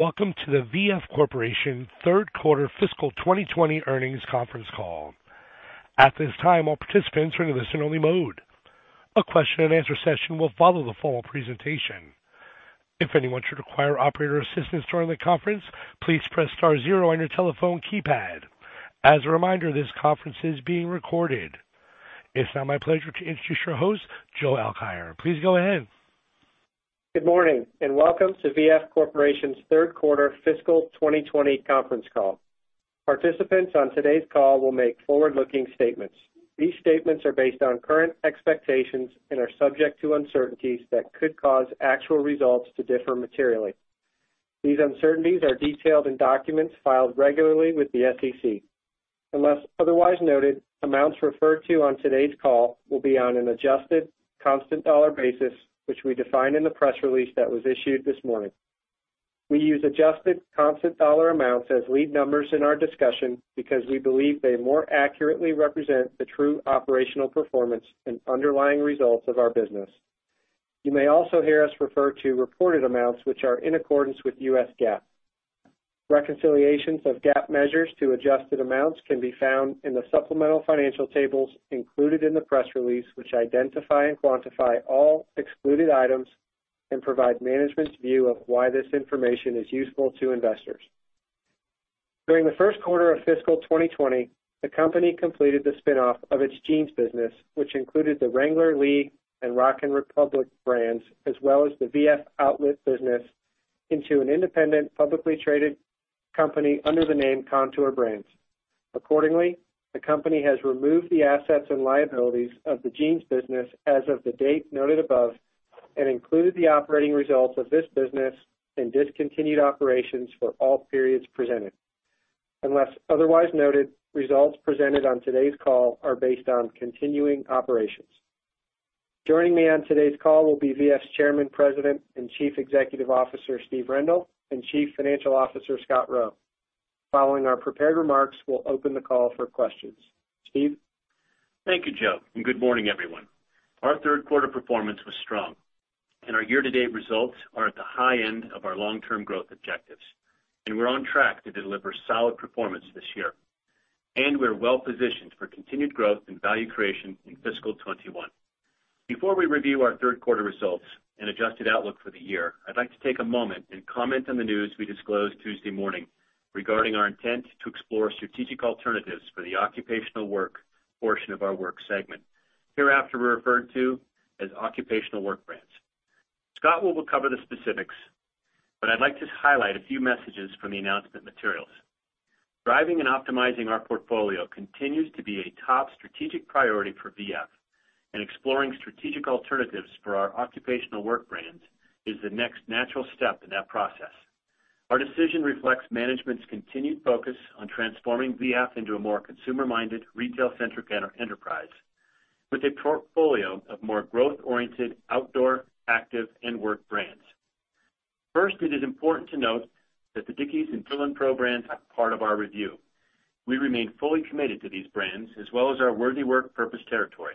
Welcome to the VF Corporation third quarter fiscal 2020 earnings conference call. At this time, all participants are in listen only mode. A question and answer session will follow the formal presentation. If anyone should require operator assistance during the conference, please press star zero on your telephone keypad. As a reminder, this conference is being recorded. It is now my pleasure to introduce your host, Joe Alkire. Please go ahead. Good morning. Welcome to VF Corporation's third quarter fiscal 2020 conference call. Participants on today's call will make forward-looking statements. These statements are based on current expectations and are subject to uncertainties that could cause actual results to differ materially. These uncertainties are detailed in documents filed regularly with the SEC. Unless otherwise noted, amounts referred to on today's call will be on an adjusted constant dollar basis, which we define in the press release that was issued this morning. We use adjusted constant dollar amounts as lead numbers in our discussion because we believe they more accurately represent the true operational performance and underlying results of our business. You may also hear us refer to reported amounts which are in accordance with U.S. GAAP. Reconciliations of GAAP measures to adjusted amounts can be found in the supplemental financial tables included in the press release, which identify and quantify all excluded items and provide management's view of why this information is useful to investors. During the first quarter of fiscal 2020, the company completed the spin-off of its jeans business, which included the Wrangler, Lee, and Rock & Republic brands, as well as the VF Outlet business into an independent, publicly traded company under the name Kontoor Brands. Accordingly, the company has removed the assets and liabilities of the jeans business as of the date noted above and included the operating results of this business and discontinued operations for all periods presented. Unless otherwise noted, results presented on today's call are based on continuing operations. Joining me on today's call will be VF's Chairman, President, and Chief Executive Officer, Steve Rendle, and Chief Financial Officer, Scott Roe. Following our prepared remarks, we'll open the call for questions. Steve. Thank you, Joe. Good morning, everyone. Our third quarter performance was strong. Our year-to-date results are at the high end of our long-term growth objectives. We're on track to deliver solid performance this year. We're well positioned for continued growth and value creation in fiscal 2021. Before we review our third quarter results and adjusted outlook for the year, I'd like to take a moment and comment on the news we disclosed Tuesday morning regarding our intent to explore strategic alternatives for the occupational work portion of our work segment. Hereafter referred to as occupational work brands. Scott will cover the specifics. I'd like to highlight a few messages from the announcement materials. Driving and optimizing our portfolio continues to be a top strategic priority for VF. Exploring strategic alternatives for our occupational work brands is the next natural step in that process. Our decision reflects management's continued focus on transforming VF into a more consumer-minded, retail-centric enterprise with a portfolio of more growth-oriented outdoor, active, and work brands. First, it is important to note that the Dickies and Timberland PRO brands are part of our review. We remain fully committed to these brands as well as our worthy work purpose territory.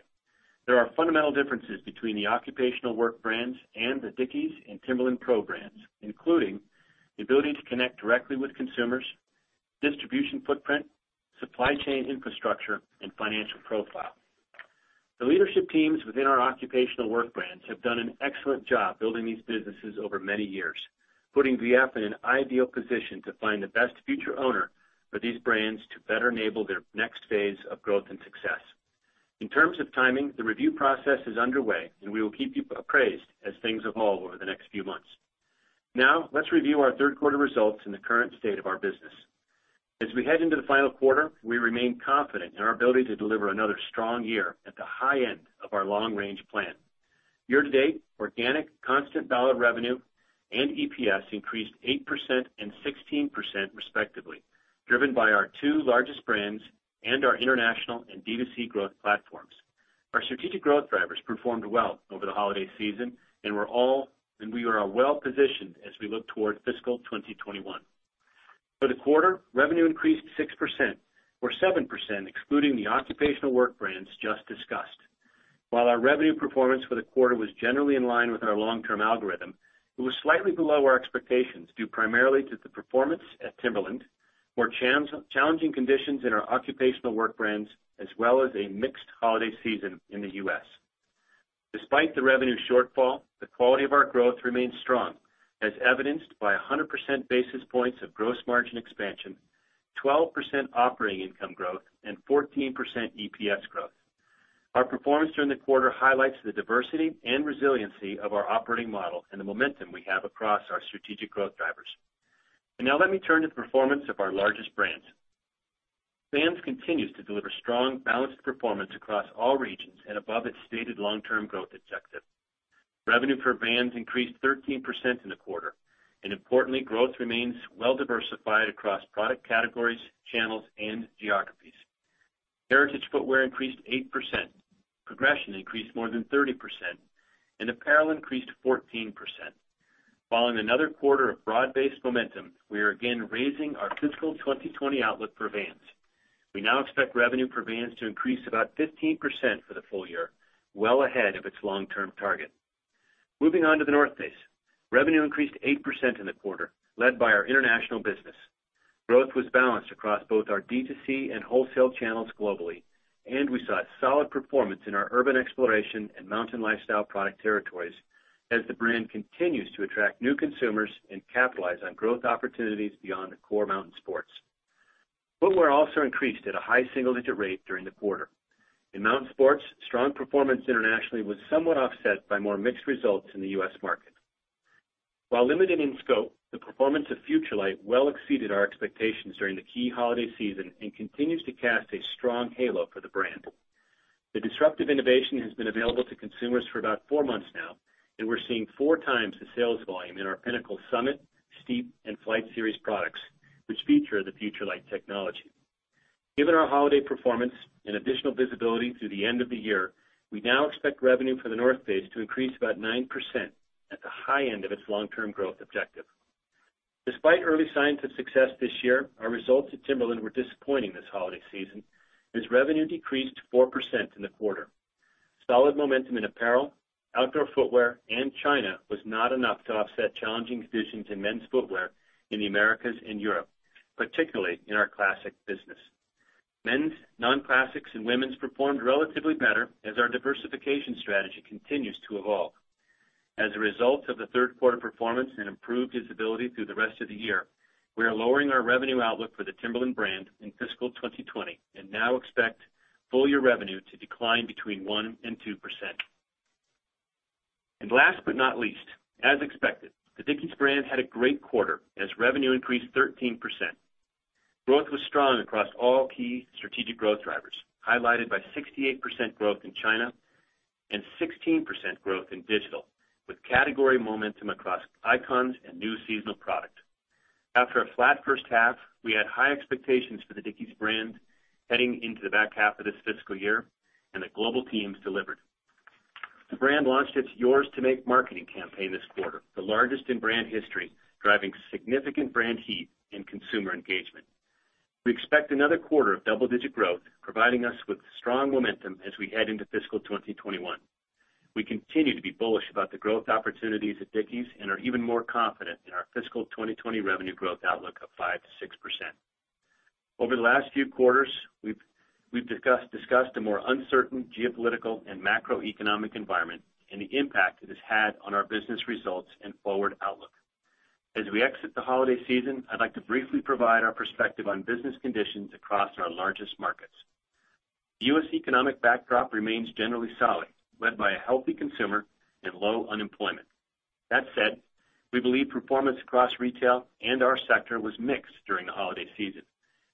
There are fundamental differences between the occupational work brands and the Dickies and Timberland PRO brands, including the ability to connect directly with consumers, distribution footprint, supply chain infrastructure, and financial profile. The leadership teams within our occupational work brands have done an excellent job building these businesses over many years, putting VF in an ideal position to find the best future owner for these brands to better enable their next phase of growth and success. In terms of timing, the review process is underway, and we will keep you appraised as things evolve over the next few months. Let's review our third quarter results and the current state of our business. As we head into the final quarter, we remain confident in our ability to deliver another strong year at the high end of our long range plan. Year to date, organic constant dollar revenue and EPS increased 8% and 16% respectively, driven by our two largest brands and our international and D2C growth platforms. Our strategic growth drivers performed well over the holiday season, and we are well positioned as we look toward fiscal 2021. For the quarter, revenue increased 6%, or 7%, excluding the occupational work brands just discussed. While our revenue performance for the quarter was generally in line with our long-term algorithm, it was slightly below our expectations, due primarily to the performance at Timberland, more challenging conditions in our occupational work brands, as well as a mixed holiday season in the U.S. Despite the revenue shortfall, the quality of our growth remains strong, as evidenced by 100 basis points of gross margin expansion, 12% operating income growth, and 14% EPS growth. Our performance during the quarter highlights the diversity and resiliency of our operating model and the momentum we have across our strategic growth drivers. Now let me turn to the performance of our largest brands. Vans continues to deliver strong, balanced performance across all regions and above its stated long-term growth objective. Revenue for Vans increased 13% in the quarter, and importantly, growth remains well diversified across product categories, channels, and geographies. Heritage footwear increased 8%, progression increased more than 30%, and apparel increased 14%. Following another quarter of broad-based momentum, we are again raising our fiscal 2020 outlook for Vans. We now expect revenue for Vans to increase about 15% for the full year, well ahead of its long-term target. Moving on to The North Face. Revenue increased 8% in the quarter, led by our international business. Growth was balanced across both our D2C and wholesale channels globally, and we saw a solid performance in our Urban Exploration and Mountain Lifestyle product territories as the brand continues to attract new consumers and capitalize on growth opportunities beyond the core Mountain Sports. Footwear also increased at a high single-digit rate during the quarter. In Mountain Sports, strong performance internationally was somewhat offset by more mixed results in the U.S. market. While limited in scope, the performance of FUTURELIGHT well exceeded our expectations during the key holiday season and continues to cast a strong halo for the brand. The disruptive innovation has been available to consumers for about four months now, and we're seeing four times the sales volume in our Pinnacle Summit, Steep, and Flight series products, which feature the FUTURELIGHT technology. Given our holiday performance and additional visibility through the end of the year, we now expect revenue for The North Face to increase about 9% at the high end of its long-term growth objective. Despite early signs of success this year, our results at Timberland were disappointing this holiday season, as revenue decreased 4% in the quarter. Solid momentum in apparel, outdoor footwear, and China was not enough to offset challenging conditions in men's footwear in the Americas and Europe, particularly in our classic business. Men's non-classics and women's performed relatively better as our diversification strategy continues to evolve. As a result of the third quarter performance and improved visibility through the rest of the year, we are lowering our revenue outlook for the Timberland brand in fiscal 2020 and now expect full-year revenue to decline between 1% and 2%. Last but not least, as expected, the Dickies brand had a great quarter as revenue increased 13%. Growth was strong across all key strategic growth drivers, highlighted by 68% growth in China and 16% growth in digital, with category momentum across icons and new seasonal product. After a flat first half, we had high expectations for the Dickies brand heading into the back half of this fiscal year, and the global teams delivered. The brand launched its Yours to Make marketing campaign this quarter, the largest in brand history, driving significant brand heat and consumer engagement. We expect another quarter of double-digit growth, providing us with strong momentum as we head into fiscal 2021. We continue to be bullish about the growth opportunities at Dickies and are even more confident in our fiscal 2020 revenue growth outlook of 5%-6%. Over the last few quarters, we've discussed a more uncertain geopolitical and macroeconomic environment and the impact it has had on our business results and forward outlook. As we exit the holiday season, I'd like to briefly provide our perspective on business conditions across our largest markets. U.S. economic backdrop remains generally solid, led by a healthy consumer and low unemployment. We believe performance across retail and our sector was mixed during the holiday season.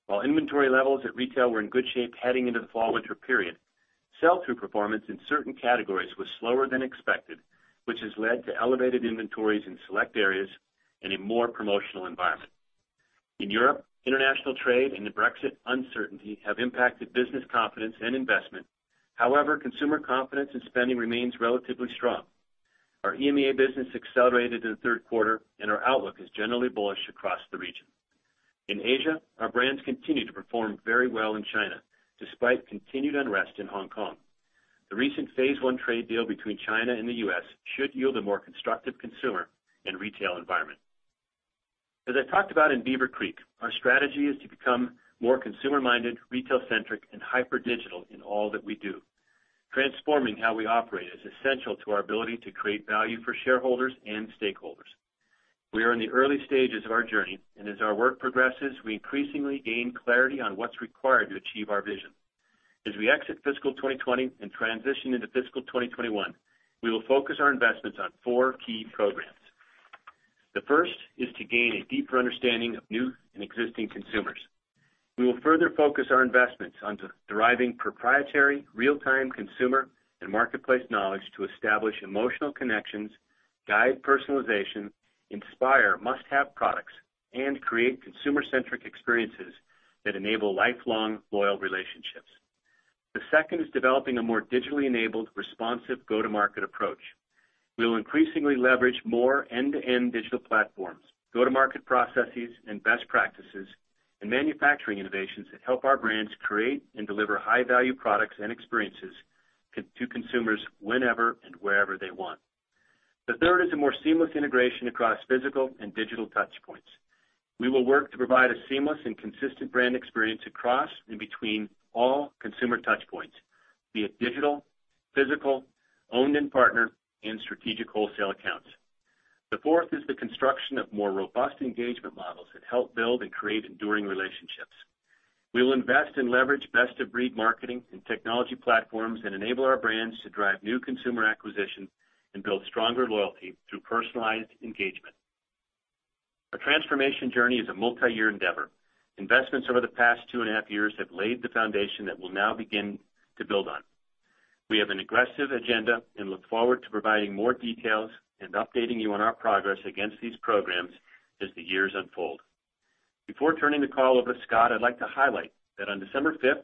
While inventory levels at retail were in good shape heading into the fall/winter period, sell-through performance in certain categories was slower than expected, which has led to elevated inventories in select areas and a more promotional environment. In Europe, international trade and the Brexit uncertainty have impacted business confidence and investment. Consumer confidence and spending remains relatively strong. Our EMEA business accelerated in the third quarter, and our outlook is generally bullish across the region. In Asia, our brands continue to perform very well in China despite continued unrest in Hong Kong. The recent phase one trade deal between China and the U.S. should yield a more constructive consumer and retail environment. As I talked about in Beaver Creek, our strategy is to become more consumer-minded, retail-centric, and hyperdigital in all that we do. Transforming how we operate is essential to our ability to create value for shareholders and stakeholders. We are in the early stages of our journey, and as our work progresses, we increasingly gain clarity on what's required to achieve our vision. As we exit fiscal 2020 and transition into fiscal 2021, we will focus our investments on four key programs. The first is to gain a deeper understanding of new and existing consumers. We will further focus our investments on deriving proprietary real-time consumer and marketplace knowledge to establish emotional connections, guide personalization, inspire must-have products, and create consumer-centric experiences that enable lifelong loyal relationships. The second is developing a more digitally enabled, responsive go-to-market approach. We will increasingly leverage more end-to-end digital platforms, go-to-market processes and best practices, and manufacturing innovations that help our brands create and deliver high-value products and experiences to consumers whenever and wherever they want. The third is a more seamless integration across physical and digital touchpoints. We will work to provide a seamless and consistent brand experience across and between all consumer touchpoints, be it digital, physical, owned and partnered, and strategic wholesale accounts. The fourth is the construction of more robust engagement models that help build and create enduring relationships. We will invest and leverage best-of-breed marketing and technology platforms that enable our brands to drive new consumer acquisition and build stronger loyalty through personalized engagement. Our transformation journey is a multiyear endeavor. Investments over the past two and a half years have laid the foundation that we'll now begin to build on. We have an aggressive agenda and look forward to providing more details and updating you on our progress against these programs as the years unfold. Before turning the call over to Scott, I'd like to highlight that on December 5th,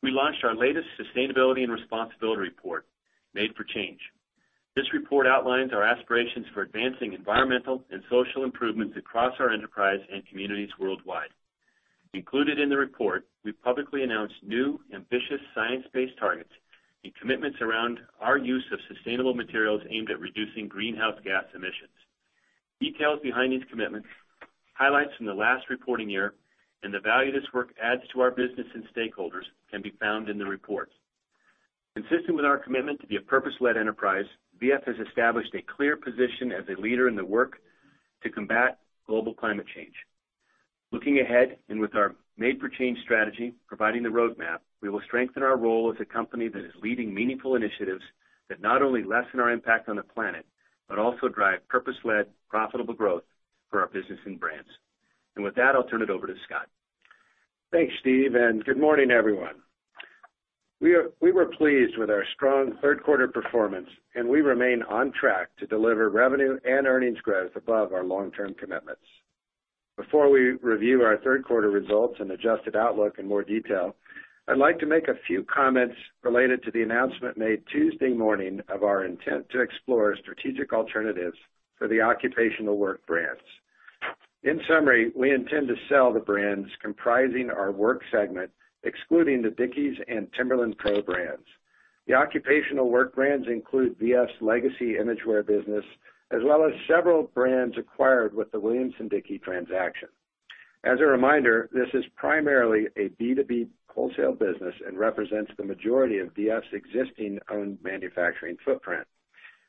we launched our latest sustainability and responsibility report, Made for Change. This report outlines our aspirations for advancing environmental and social improvements across our enterprise and communities worldwide. Included in the report, we publicly announced new ambitious science-based targets and commitments around our use of sustainable materials aimed at reducing greenhouse gas emissions. Details behind these commitments, highlights from the last reporting year, and the value this work adds to our business and stakeholders can be found in the report. Consistent with our commitment to be a purpose-led enterprise, VF has established a clear position as a leader in the work to combat global climate change. Looking ahead, with our Made for Change strategy providing the roadmap, we will strengthen our role as a company that is leading meaningful initiatives that not only lessen our impact on the planet, but also drive purpose-led, profitable growth for our business and brands. With that, I'll turn it over to Scott. Thanks, Steve. Good morning, everyone. We were pleased with our strong third quarter performance, and we remain on track to deliver revenue and earnings growth above our long-term commitments. Before we review our third quarter results and adjusted outlook in more detail, I'd like to make a few comments related to the announcement made Tuesday morning of our intent to explore strategic alternatives for the occupational work brands. In summary, we intend to sell the brands comprising our Work segment, excluding the Dickies and Timberland PRO brands. The occupational work brands include VF's legacy Imagewear business, as well as several brands acquired with the Williamson-Dickie transaction. As a reminder, this is primarily a B2B wholesale business and represents the majority of VF's existing owned manufacturing footprint.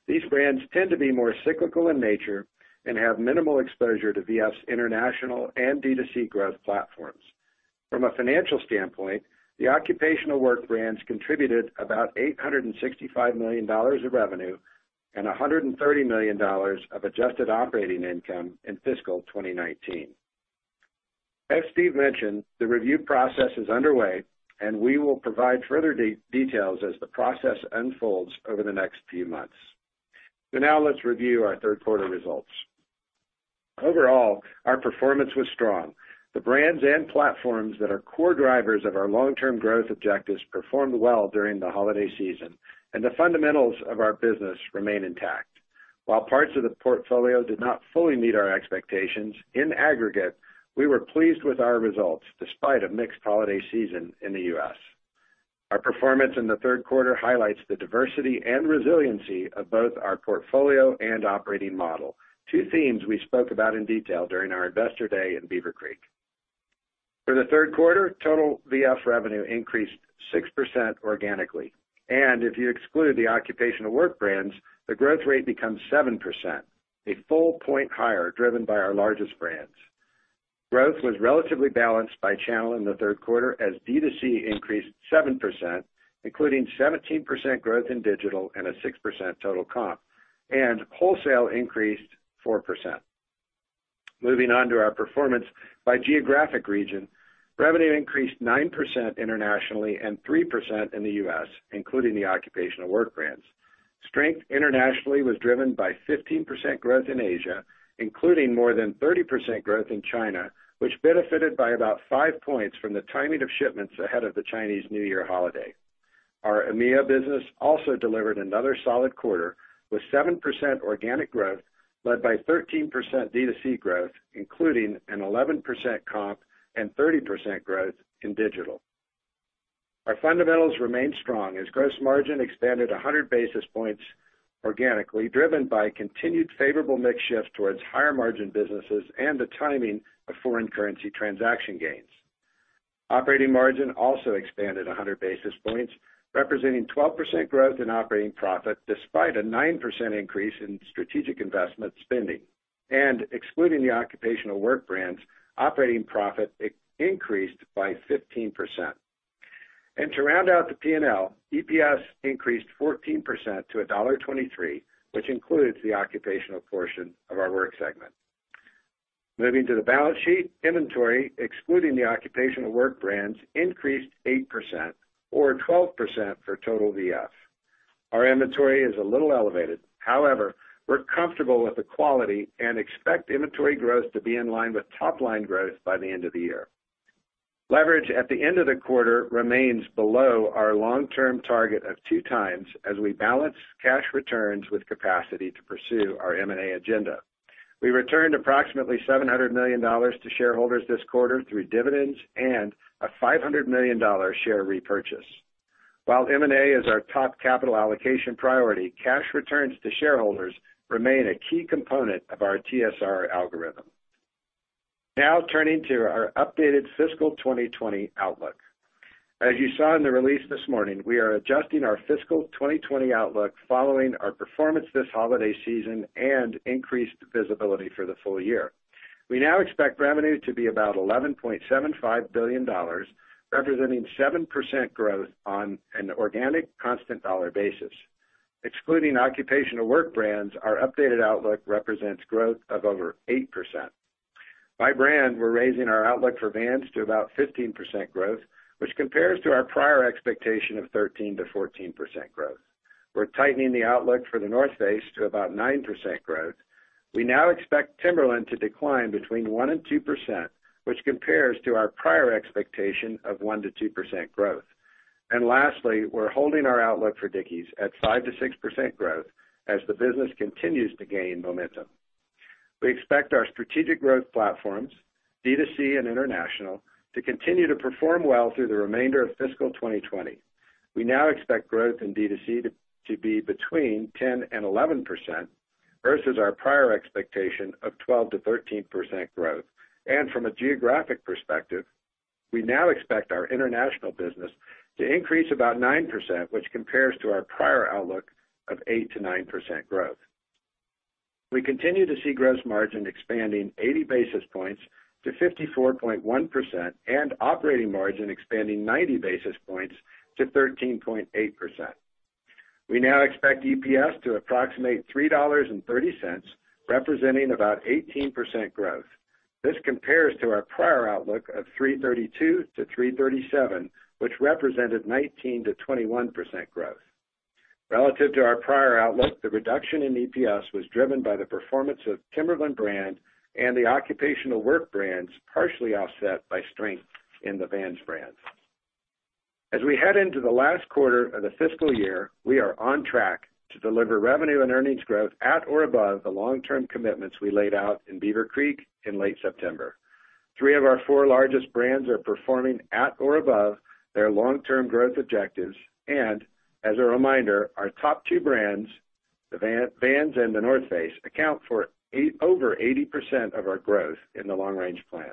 These brands tend to be more cyclical in nature and have minimal exposure to VF's international and D2C growth platforms. From a financial standpoint, the occupational work brands contributed about $865 million of revenue and $130 million of adjusted operating income in fiscal 2019. As Steve mentioned, the review process is underway. We will provide further details as the process unfolds over the next few months. Now let's review our third quarter results. Overall, our performance was strong. The brands and platforms that are core drivers of our long-term growth objectives performed well during the holiday season. The fundamentals of our business remain intact. While parts of the portfolio did not fully meet our expectations, in aggregate, we were pleased with our results, despite a mixed holiday season in the U.S. Our performance in the third quarter highlights the diversity and resiliency of both our portfolio and operating model. Two themes we spoke about in detail during our investor day in Beaver Creek. For the third quarter, total VF revenue increased 6% organically. If you exclude the occupational work brands, the growth rate becomes 7%, a full point higher, driven by our largest brands. Growth was relatively balanced by channel in the third quarter, as D2C increased 7%, including 17% growth in digital and a 6% total comp, and wholesale increased 4%. Moving on to our performance by geographic region. Revenue increased 9% internationally and 3% in the U.S., including the occupational work brands. Strength internationally was driven by 15% growth in Asia, including more than 30% growth in China, which benefited by about five points from the timing of shipments ahead of the Chinese New Year holiday. Our EMEA business also delivered another solid quarter, with 7% organic growth, led by 13% D2C growth, including an 11% comp and 30% growth in digital. Our fundamentals remained strong as gross margin expanded 100 basis points organically, driven by continued favorable mix shift towards higher margin businesses and the timing of foreign currency transaction gains. Operating margin also expanded 100 basis points, representing 12% growth in operating profit, despite a 9% increase in strategic investment spending. Excluding the occupational work brands, operating profit increased by 15%. To round out the P&L, EPS increased 14% to $1.23, which includes the occupational portion of our work segment. Moving to the balance sheet, inventory, excluding the occupational work brands, increased 8%, or 12% for total VF. Our inventory is a little elevated. However, we're comfortable with the quality and expect inventory growth to be in line with top line growth by the end of the year. Leverage at the end of the quarter remains below our long-term target of two times as we balance cash returns with capacity to pursue our M&A agenda. We returned approximately $700 million to shareholders this quarter through dividends and a $500 million share repurchase. While M&A is our top capital allocation priority, cash returns to shareholders remain a key component of our TSR algorithm. Turning to our updated fiscal 2020 outlook. As you saw in the release this morning, we are adjusting our fiscal 2020 outlook following our performance this holiday season and increased visibility for the full year. We now expect revenue to be about $11.75 billion, representing 7% growth on an organic constant dollar basis. Excluding occupational work brands, our updated outlook represents growth of over 8%. By brand, we're raising our outlook for Vans to about 15% growth, which compares to our prior expectation of 13%-14% growth. We're tightening the outlook for The North Face to about 9% growth. We now expect Timberland to decline between 1% and 2%, which compares to our prior expectation of 1%-2% growth. Lastly, we're holding our outlook for Dickies at 5%-6% growth as the business continues to gain momentum. We expect our strategic growth platforms, D2C and international, to continue to perform well through the remainder of fiscal 2020. We now expect growth in D2C to be between 10% and 11%, versus our prior expectation of 12%-13% growth. From a geographic perspective, we now expect our international business to increase about 9%, which compares to our prior outlook of 8%-9% growth. We continue to see gross margin expanding 80 basis points to 54.1% and operating margin expanding 90 basis points to 13.8%. We now expect EPS to approximate $3.30, representing about 18% growth. This compares to our prior outlook of $3.32-$3.37, which represented 19%-21% growth. Relative to our prior outlook, the reduction in EPS was driven by the performance of Timberland brand and the occupational work brands, partially offset by strength in the Vans brand. As we head into the last quarter of the fiscal year, we are on track to deliver revenue and earnings growth at or above the long-term commitments we laid out in Beaver Creek in late September. Three of our four largest brands are performing at or above their long-term growth objectives. As a reminder, our top two brands, Vans and The North Face, account for over 80% of our growth in the long-range plan.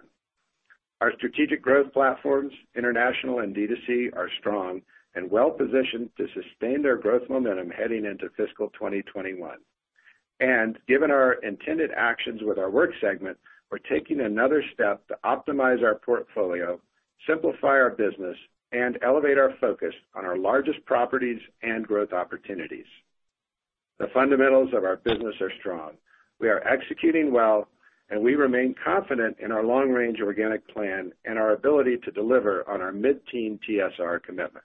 Our strategic growth platforms, international and D2C, are strong and well-positioned to sustain their growth momentum heading into fiscal 2021. Given our intended actions with our work segment, we're taking another step to optimize our portfolio, simplify our business, and elevate our focus on our largest properties and growth opportunities. The fundamentals of our business are strong. We are executing well, and we remain confident in our long-range organic plan and our ability to deliver on our mid-teen TSR commitment.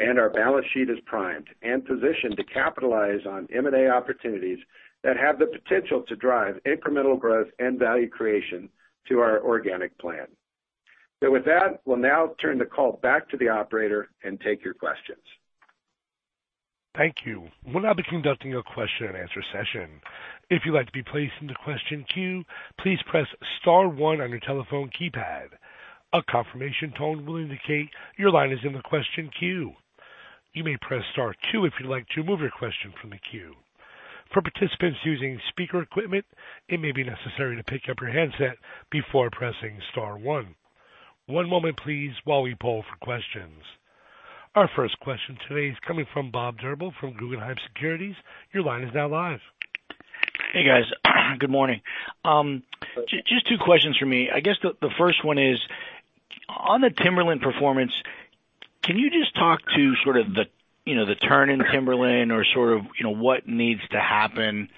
Our balance sheet is primed and positioned to capitalize on M&A opportunities that have the potential to drive incremental growth and value creation to our organic plan. With that, we'll now turn the call back to the operator and take your questions. Thank you. We'll now be conducting a question and answer session. If you'd like to be placed into question queue, please press star one on your telephone keypad. A confirmation tone will indicate your line is in the question queue. You may press star two if you'd like to remove your question from the queue. For participants using speaker equipment, it may be necessary to pick up your handset before pressing star one. One moment, please, while we poll for questions. Our first question today is coming from Bob Drbul from Guggenheim Securities. Your line is now live. Hey, guys. Good morning. Just two questions from me. I guess the first one is, on the Timberland performance, can you just talk to sort of the turn in Timberland or sort of what needs to happen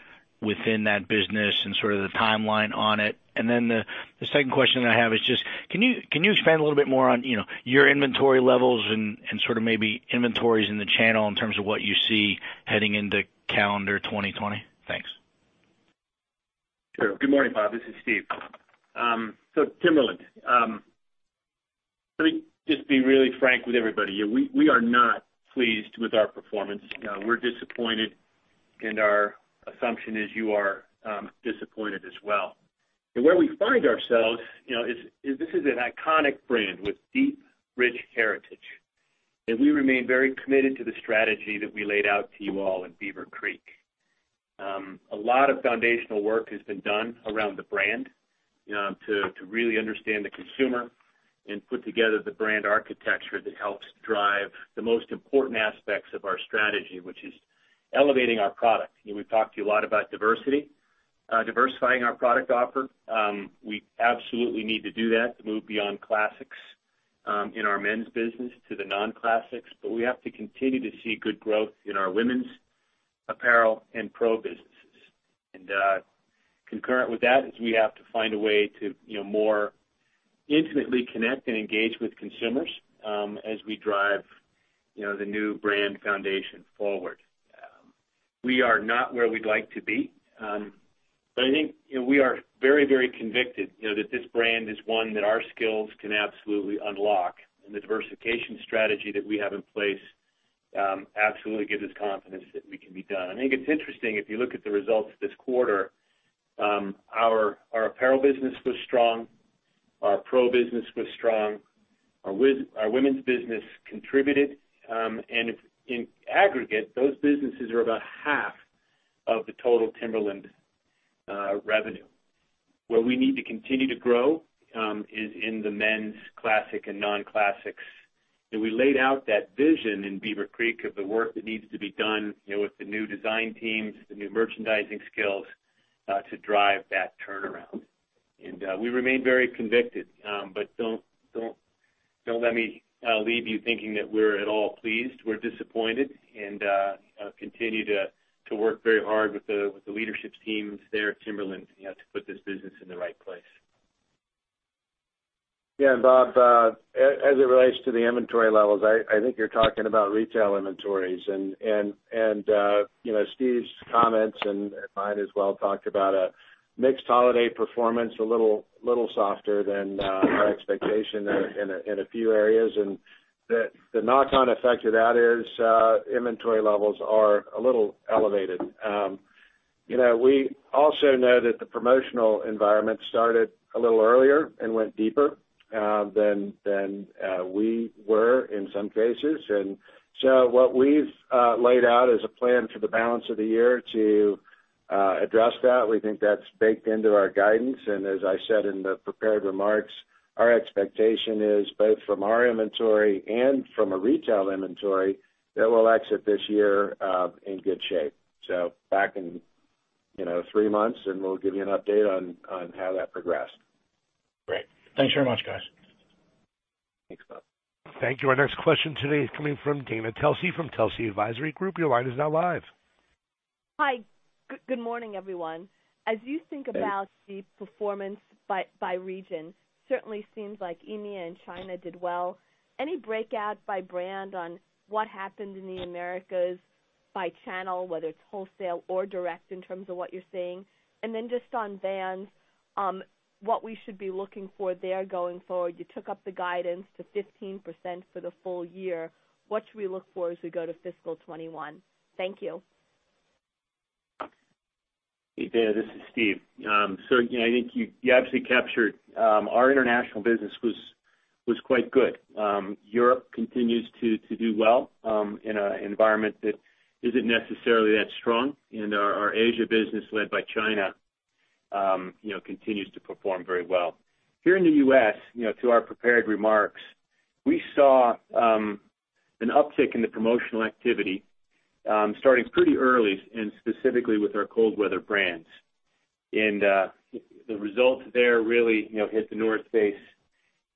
within that business and sort of the timeline on it? The second question I have is just, can you expand a little bit more on your inventory levels and sort of maybe inventories in the channel in terms of what you see heading into calendar 2020? Thanks. Sure. Good morning, Bob. This is Steve. Timberland. Let me just be really frank with everybody. We are not pleased with our performance. We're disappointed, and our assumption is you are disappointed as well. Where we find ourselves is, this is an iconic brand with deep, rich heritage, and we remain very committed to the strategy that we laid out to you all in Beaver Creek. A lot of foundational work has been done around the brand to really understand the consumer and put together the brand architecture that helps drive the most important aspects of our strategy, which is elevating our product. We've talked to you a lot about diversity, diversifying our product offer. We absolutely need to do that to move beyond classics in our men's business to the non-classics. We have to continue to see good growth in our women's apparel and PRO businesses. Concurrent with that is we have to find a way to more intimately connect and engage with consumers as we drive the new brand foundation forward. We are not where we'd like to be, but I think we are very convicted that this brand is one that our skills can absolutely unlock, and the diversification strategy that we have in place absolutely gives us confidence that it can be done. I think it's interesting, if you look at the results this quarter, our apparel business was strong, our pro business was strong, our women's business contributed, and in aggregate, those businesses are about half of the total Timberland revenue. Where we need to continue to grow is in the men's classic and non-classics. We laid out that vision in Beaver Creek of the work that needs to be done with the new design teams, the new merchandising skills to drive that turnaround. We remain very convicted, but don't let me leave you thinking that we're at all pleased. We're disappointed and continue to work very hard with the leadership teams there at Timberland to put this business in the right place. Yeah. Bob, as it relates to the inventory levels, I think you're talking about retail inventories. Steve's comments, and mine as well, talked about a mixed holiday performance, a little softer than our expectation in a few areas. The knock-on effect of that is inventory levels are a little elevated. We also know that the promotional environment started a little earlier and went deeper than we were, in some cases. What we've laid out is a plan for the balance of the year to address that. We think that's baked into our guidance. As I said in the prepared remarks, our expectation is both from our inventory and from a retail inventory, that we'll exit this year in good shape. Back in three months, and we'll give you an update on how that progressed. Great. Thanks very much, guys. Thanks, Bob. Thank you. Our next question today is coming from Dana Telsey from Telsey Advisory Group. Your line is now live. Hi. Good morning, everyone. As you think about the performance by region, certainly seems like EMEA and China did well. Any breakout by brand on what happened in the Americas by channel, whether it's wholesale or direct, in terms of what you're seeing? Then just on Vans, what we should be looking for there going forward. You took up the guidance to 15% for the full year. What should we look for as we go to fiscal 2021? Thank you. Hey, Dana, this is Steve. I think you absolutely captured. Our international business was quite good. Europe continues to do well in an environment that isn't necessarily that strong. Our Asia business, led by China, continues to perform very well. Here in the U.S., to our prepared remarks, we saw an uptick in the promotional activity starting pretty early, specifically with our cold weather brands. The results there really hit The North Face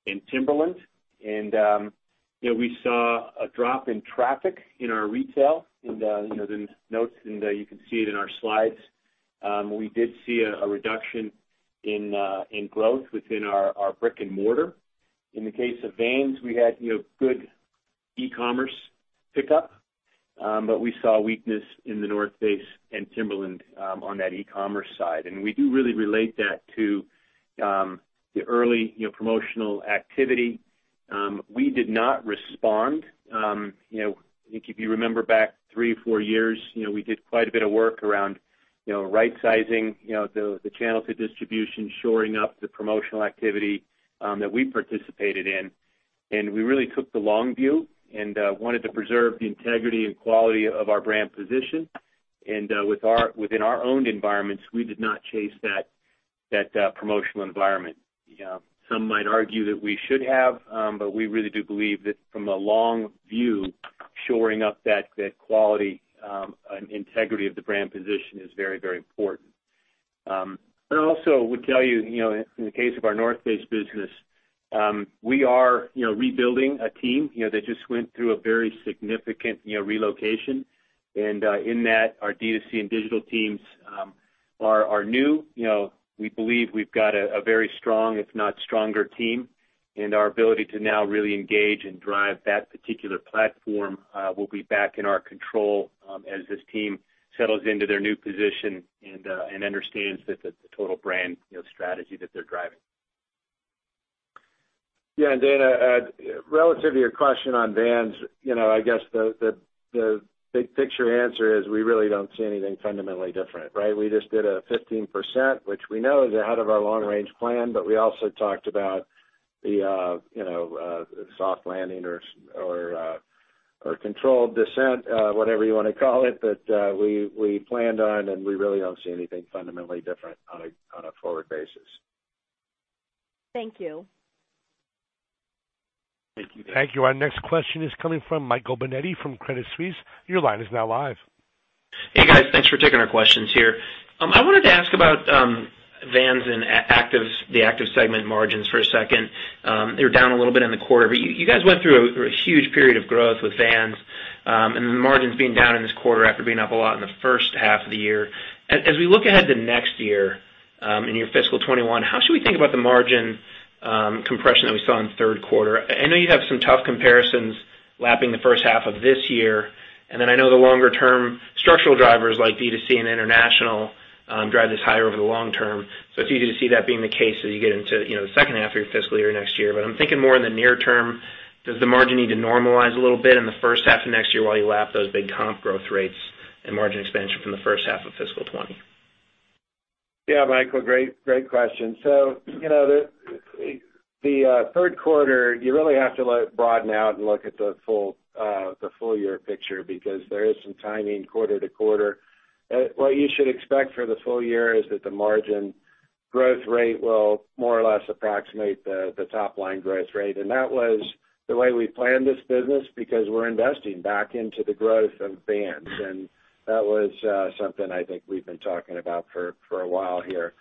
and Timberland. We saw a drop in traffic in our retail, in the notes, and you can see it in our slides. We did see a reduction in growth within our brick and mortar. In the case of Vans, we had good e-commerce pickup. We saw weakness in The North Face and Timberland on that e-commerce side. We do really relate that to the early promotional activity. We did not respond. I think if you remember back three or four years, we did quite a bit of work around right-sizing the channel to distribution, shoring up the promotional activity that we participated in. We really took the long view and wanted to preserve the integrity and quality of our brand position. Within our own environments, we did not chase that promotional environment. Some might argue that we should have, but we really do believe that from a long view, shoring up that quality and integrity of the brand position is very important. I also would tell you, in the case of our The North Face business, we are rebuilding a team that just went through a very significant relocation. In that, our D2C and digital teams are new. We believe we've got a very strong, if not stronger, team. Our ability to now really engage and drive that particular platform will be back in our control as this team settles into their new position and understands the total brand strategy that they're driving. Yeah. Dana, relative to your question on Vans, I guess the big picture answer is we really don't see anything fundamentally different, right? We just did a 15%, which we know is ahead of our long-range plan, but we also talked about the soft landing or controlled descent, whatever you want to call it, that we planned on, and we really don't see anything fundamentally different on a forward basis. Thank you. Thank you, Dana. Thank you. Our next question is coming from Michael Binetti from Credit Suisse. Your line is now live. Hey, guys. Thanks for taking our questions here. I wanted to ask about Vans and the active segment margins for a second. They were down a little bit in the quarter, but you guys went through a huge period of growth with Vans, and the margins being down in this quarter after being up a lot in the first half of the year. As we look ahead to next year, in your fiscal 2021, how should we think about the margin compression that we saw in the third quarter? I know you have some tough comparisons lapping the first half of this year, and then I know the longer-term structural drivers like D2C and international drive this higher over the long term. It's easy to see that being the case as you get into the second half of your fiscal year next year. I'm thinking more in the near term, does the margin need to normalize a little bit in the first half of next year while you lap those big comp growth rates and margin expansion from the first half of fiscal 2020? Yeah, Michael. Great question. The third quarter, you really have to broaden out and look at the full year picture because there is some timing quarter to quarter. What you should expect for the full year is that the margin growth rate will more or less approximate the top line growth rate. That was the way we planned this business because we're investing back into the growth of Vans. That was something I think we've been talking about for a while here.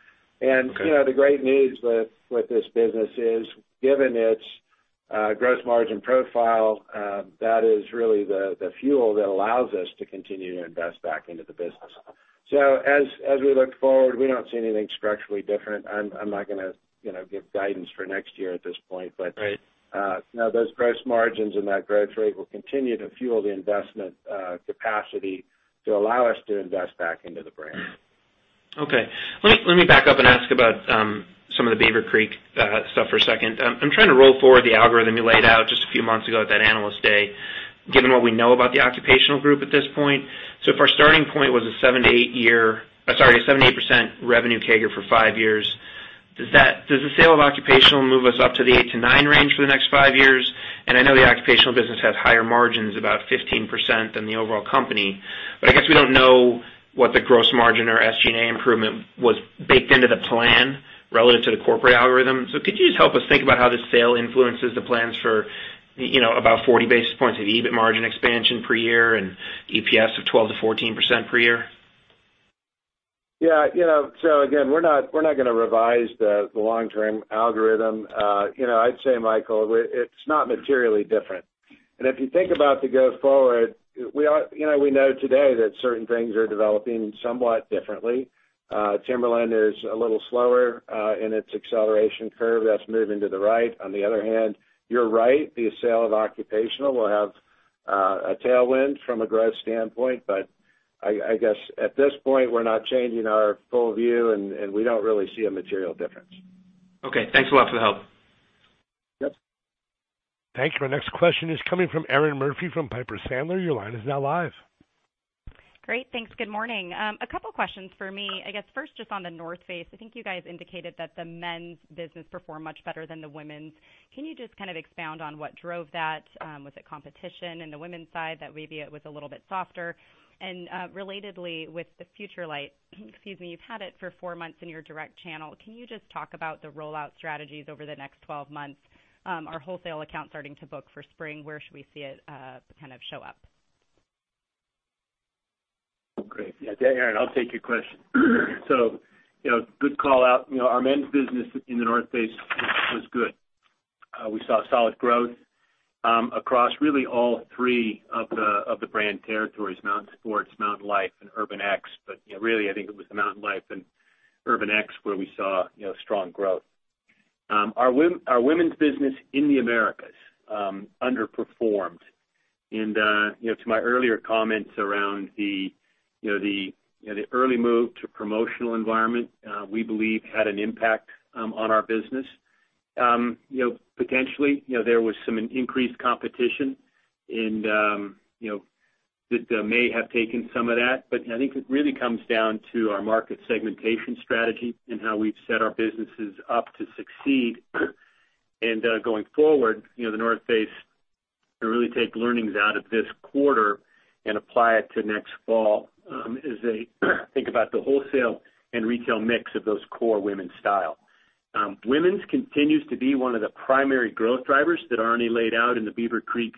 Okay. The great news with this business is, given its gross margin profile, that is really the fuel that allows us to continue to invest back into the business. As we look forward, we don't see anything structurally different. I'm not going to give guidance for next year at this point. Right. Those gross margins and that growth rate will continue to fuel the investment capacity to allow us to invest back into the brand. Okay. Let me back up and ask about some of the Beaver Creek stuff for a second. I'm trying to roll forward the algorithm you laid out just a few months ago at that Analyst Day, given what we know about the Occupational group at this point. If our starting point was a 7%-8% revenue CAGR for five years, does the sale of Occupational move us up to the 8%-9% range for the next five years? I know the Occupational business has higher margins, about 15%, than the overall company. I guess we don't know what the gross margin or SG&A improvement was baked into the plan relative to the corporate algorithm. Could you just help us think about how this sale influences the plans for about 40 basis points of EBIT margin expansion per year and EPS of 12%-14% per year? Again, we're not going to revise the long-term algorithm. I'd say, Michael, it's not materially different. If you think about the go forward, we know today that certain things are developing somewhat differently. Timberland is a little slower in its acceleration curve. That's moving to the right. On the other hand, you're right, the sale of occupational will have a tailwind from a growth standpoint, but I guess at this point, we're not changing our full view, and we don't really see a material difference. Okay. Thanks a lot for the help. Yep. Thank you. Our next question is coming from Erinn Murphy from Piper Sandler. Your line is now live. Great. Thanks. Good morning. A couple questions for me. I guess first, just on The North Face. I think you guys indicated that the men's business performed much better than the women's. Can you just expound on what drove that? Was it competition in the women's side that maybe it was a little bit softer? Relatedly, with the FUTURELIGHT, you've had it for four months in your direct channel. Can you just talk about the rollout strategies over the next 12 months? Are wholesale accounts starting to book for spring? Where should we see it show up? Great. Yeah, Erinn, I'll take your question. Good call out. Our men's business in The North Face was good. We saw solid growth across really all three of the brand territories, Mountain Sports, Mountain Life, and Urban X. Really, I think it was the Mountain Life and Urban X where we saw strong growth. Our women's business in the Americas underperformed, and to my earlier comments around the early move to promotional environment, we believe had an impact on our business. Potentially, there was some increased competition that may have taken some of that. I think it really comes down to our market segmentation strategy and how we've set our businesses up to succeed and going forward, The North Face can really take learnings out of this quarter and apply it to next fall as they think about the wholesale and retail mix of those core women's style. Women's continues to be one of the primary growth drivers that Arne laid out in the Beaver Creek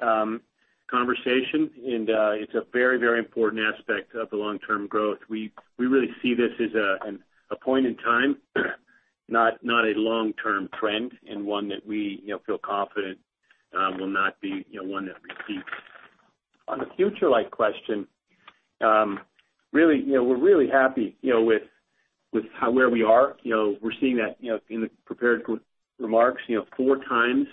conversation, and it's a very important aspect of the long-term growth. We really see this as a point in time, not a long-term trend, and one that we feel confident will not be one that repeats. On the FUTURELIGHT question, we're really happy with where we are. We're seeing that in the prepared remarks, four times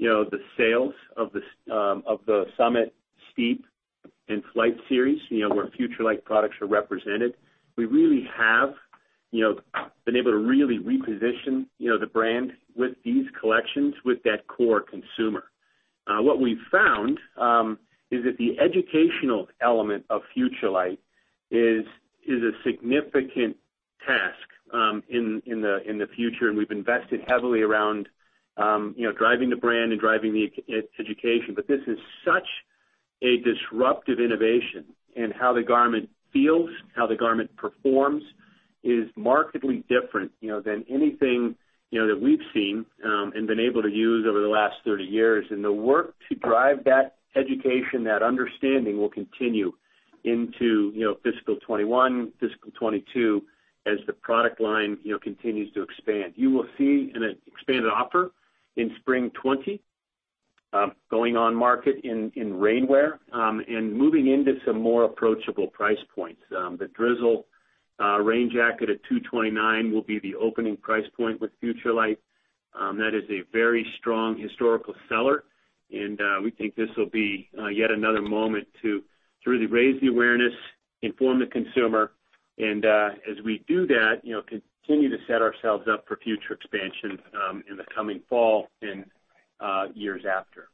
the sales of the Summit, Steep, and Flight Series, where FUTURELIGHT products are represented. We really have been able to really reposition the brand with these collections with that core consumer. What we've found is that the educational element of FUTURELIGHT is a significant task in the future, and we've invested heavily around driving the brand and driving the education. This is such a disruptive innovation in how the garment feels, how the garment performs, is markedly different than anything that we've seen and been able to use over the last 30 years. The work to drive that education, that understanding will continue into fiscal 2021, fiscal 2022, as the product line continues to expand. You will see an expanded offer in spring 2020 going on market in rainwear and moving into some more approachable price points. The Dryzzle rain jacket at $229 will be the opening price point with FUTURELIGHT. That is a very strong historical seller, and we think this will be yet another moment to really raise the awareness, inform the consumer, and as we do that, continue to set ourselves up for future expansions in the coming fall and years after.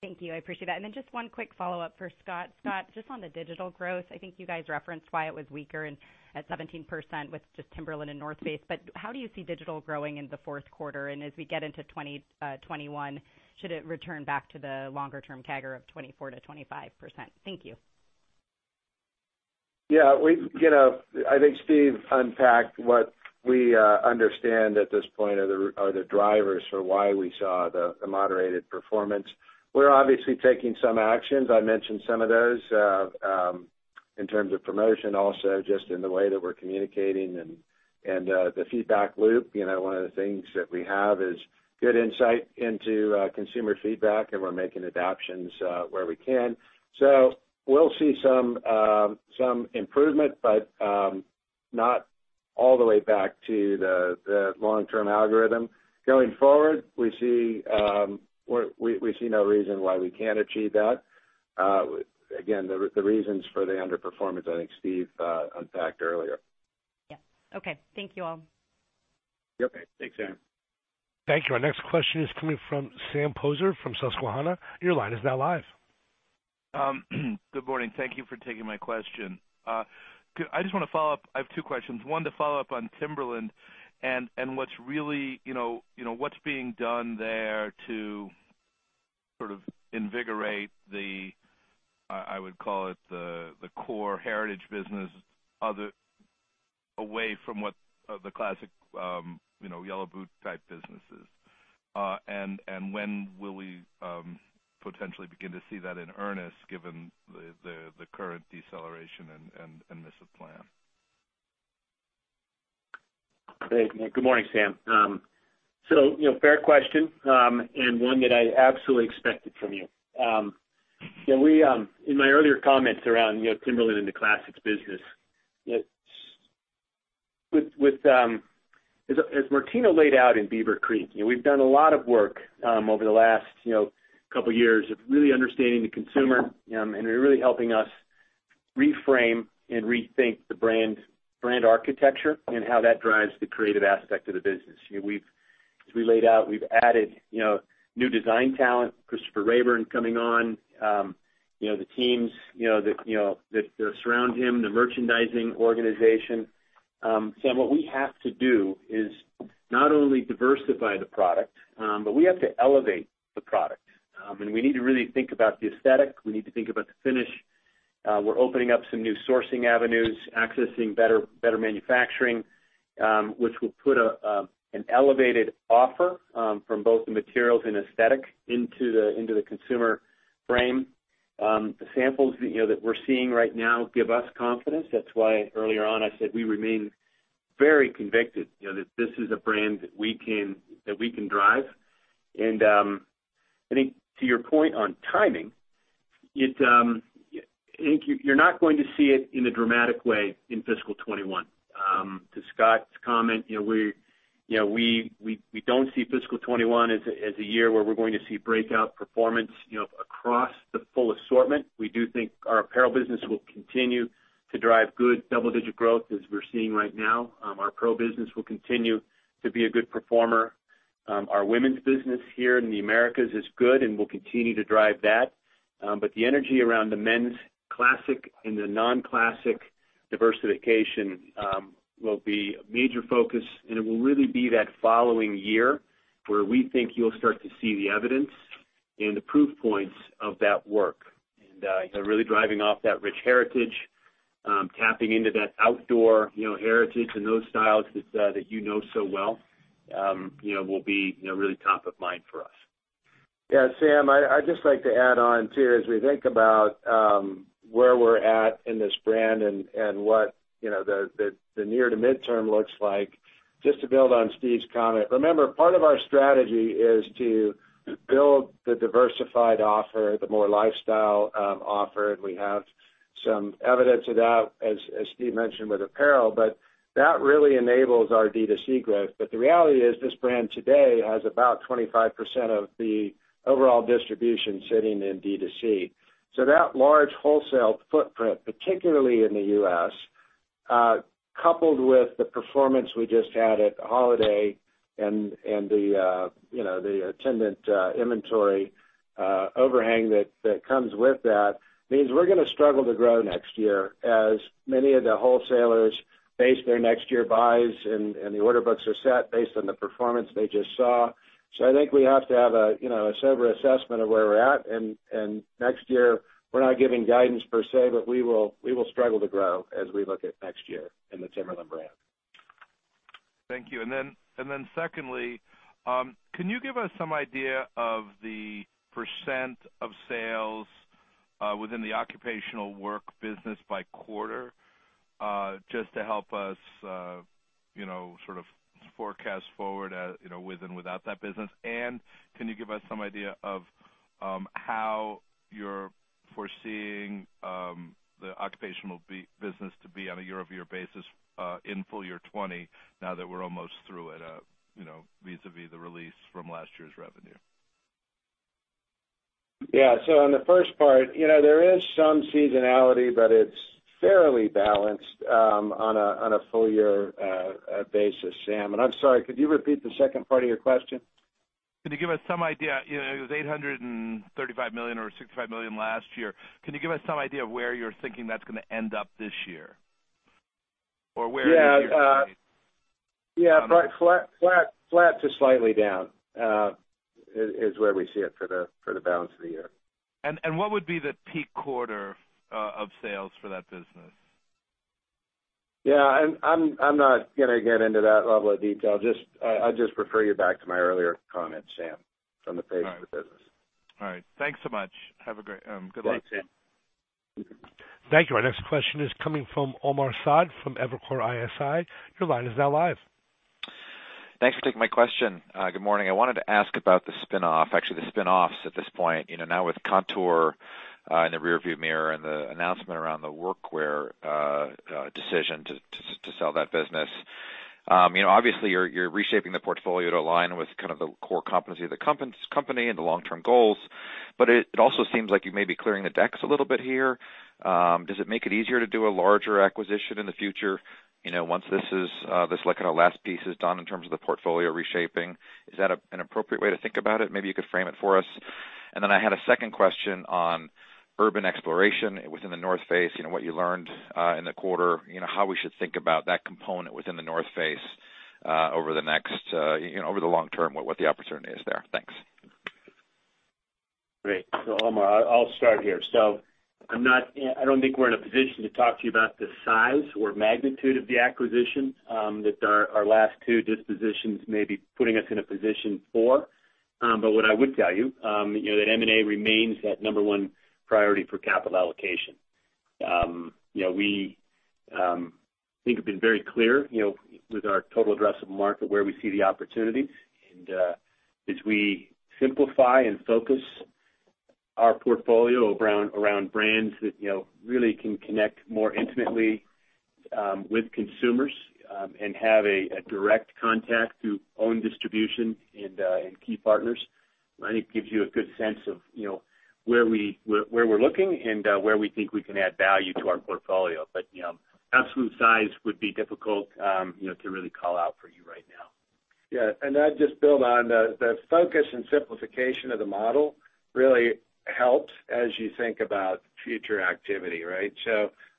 Thank you. I appreciate that. Just one quick follow-up for Scott. Scott, just on the digital growth. I think you guys referenced why it was weaker at 17% with just Timberland and The North Face. How do you see digital growing in the fourth quarter? As we get into 2021, should it return back to the longer term CAGR of 24%-25%? Thank you. Yeah. I think Steve unpacked what we understand at this point are the drivers for why we saw the moderated performance. We're obviously taking some actions. I mentioned some of those. In terms of promotion also, just in the way that we're communicating and the feedback loop. One of the things that we have is good insight into consumer feedback, and we're making adaptions where we can. We'll see some improvement, but not all the way back to the long-term algorithm. Going forward, we see no reason why we can't achieve that. Again, the reasons for the underperformance, I think Steve unpacked earlier. Yeah. Okay. Thank you all. Yep. Okay. Thanks, Erinn. Thank you. Our next question is coming from Sam Poser from Susquehanna. Your line is now live. Good morning. Thank you for taking my question. I just want to follow up. I have two questions. One, to follow up on Timberland and what's being done there to sort of invigorate the, I would call it the core heritage business, away from what the classic yellow boot type business is. When will we potentially begin to see that in earnest given the current deceleration and miss of plan? Great. Good morning, Sam. Fair question, and one that I absolutely expected from you. In my earlier comments around Timberland and the classics business, as Martino laid out in Beaver Creek, we've done a lot of work over the last couple years of really understanding the consumer, and they're really helping us reframe and rethink the brand architecture and how that drives the creative aspect of the business. As we laid out, we've added new design talent, Christopher Raeburn coming on, the teams that surround him, the merchandising organization. Sam, what we have to do is not only diversify the product, but we have to elevate the product. We need to really think about the aesthetic. We need to think about the finish. We're opening up some new sourcing avenues, accessing better manufacturing, which will put an elevated offer from both the materials and aesthetic into the consumer frame. The samples that we're seeing right now give us confidence. That's why earlier on, I said we remain very convicted that this is a brand that we can drive. I think to your point on timing, I think you're not going to see it in a dramatic way in fiscal 2021. To Scott's comment, we don't see fiscal 2021 as a year where we're going to see breakout performance across the full assortment. We do think our apparel business will continue to drive good double-digit growth as we're seeing right now. Our PRO business will continue to be a good performer. Our women's business here in the Americas is good, and we'll continue to drive that. The energy around the men's classic and the non-classic diversification will be a major focus, and it will really be that following year where we think you'll start to see the evidence and the proof points of that work. Really driving off that rich heritage, tapping into that outdoor heritage and those styles that you know so well will be really top of mind for us. Sam, I'd just like to add on too, as we think about where we're at in this brand and what the near to midterm looks like, just to build on Steve's comment. Remember, part of our strategy is to build the diversified offer, the more lifestyle offer, and we have some evidence of that, as Steve mentioned with apparel. That really enables our D2C growth. The reality is this brand today has about 25% of the overall distribution sitting in D2C. That large wholesale footprint, particularly in the U.S., coupled with the performance we just had at holiday and the attendant inventory overhang that comes with that, means we're going to struggle to grow next year as many of the wholesalers base their next year buys and the order books are set based on the performance they just saw. I think we have to have a sober assessment of where we're at, and next year, we're not giving guidance per se, but we will struggle to grow as we look at next year in the Timberland brand. Thank you. Secondly, can you give us some idea of the % of sales within the occupational work business by quarter, just to help us sort of forecast forward with and without that business? Can you give us some idea of how you're foreseeing the occupational business to be on a year-over-year basis in full year 2020, now that we're almost through it, vis-à-vis the release from last year's revenue? Yeah. On the first part, there is some seasonality, but it's fairly balanced on a full year basis, Sam. I'm sorry, could you repeat the second part of your question? Can you give us some idea, it was $835 million or $865 million last year. Can you give us some idea of where you're thinking that's going to end up this year? Where it is you're seeing- Yeah. Flat to slightly down is where we see it for the balance of the year. What would be the peak quarter of sales for that business? I'm not going to get into that level of detail. I'll just refer you back to my earlier comment, Sam, on the pace of the business. All right. Thanks so much. Have a good day. Thanks, Sam. Thank you. Our next question is coming from Omar Saad from Evercore ISI. Your line is now live. Thanks for taking my question. Good morning. I wanted to ask about the spin-off, actually, the spin-offs at this point. Now with Kontoor in the rear view mirror and the announcement around the Workwear decision to sell that business. Obviously, you're reshaping the portfolio to align with kind of the core competency of the company and the long-term goals, but it also seems like you may be clearing the decks a little bit here. Does it make it easier to do a larger acquisition in the future, once this kind of last piece is done in terms of the portfolio reshaping? Is that an appropriate way to think about it? Maybe you could frame it for us. Then I had a second question on Urban Exploration within The North Face. What you learned in the quarter, how we should think about that component within The North Face over the long term, what the opportunity is there. Thanks. Great. Omar, I'll start here. I don't think we're in a position to talk to you about the size or magnitude of the acquisition that our last two dispositions may be putting us in a position for. What I would tell you, that M&A remains that number one priority for capital allocation. We think we've been very clear with our total addressable market, where we see the opportunities. As we simplify and focus our portfolio around brands that really can connect more intimately with consumers and have a direct contact through own distribution and key partners, I think gives you a good sense of where we're looking and where we think we can add value to our portfolio. Absolute size would be difficult to really call out for you right now. Yeah. I'd just build on the focus and simplification of the model really helps as you think about future activity, right?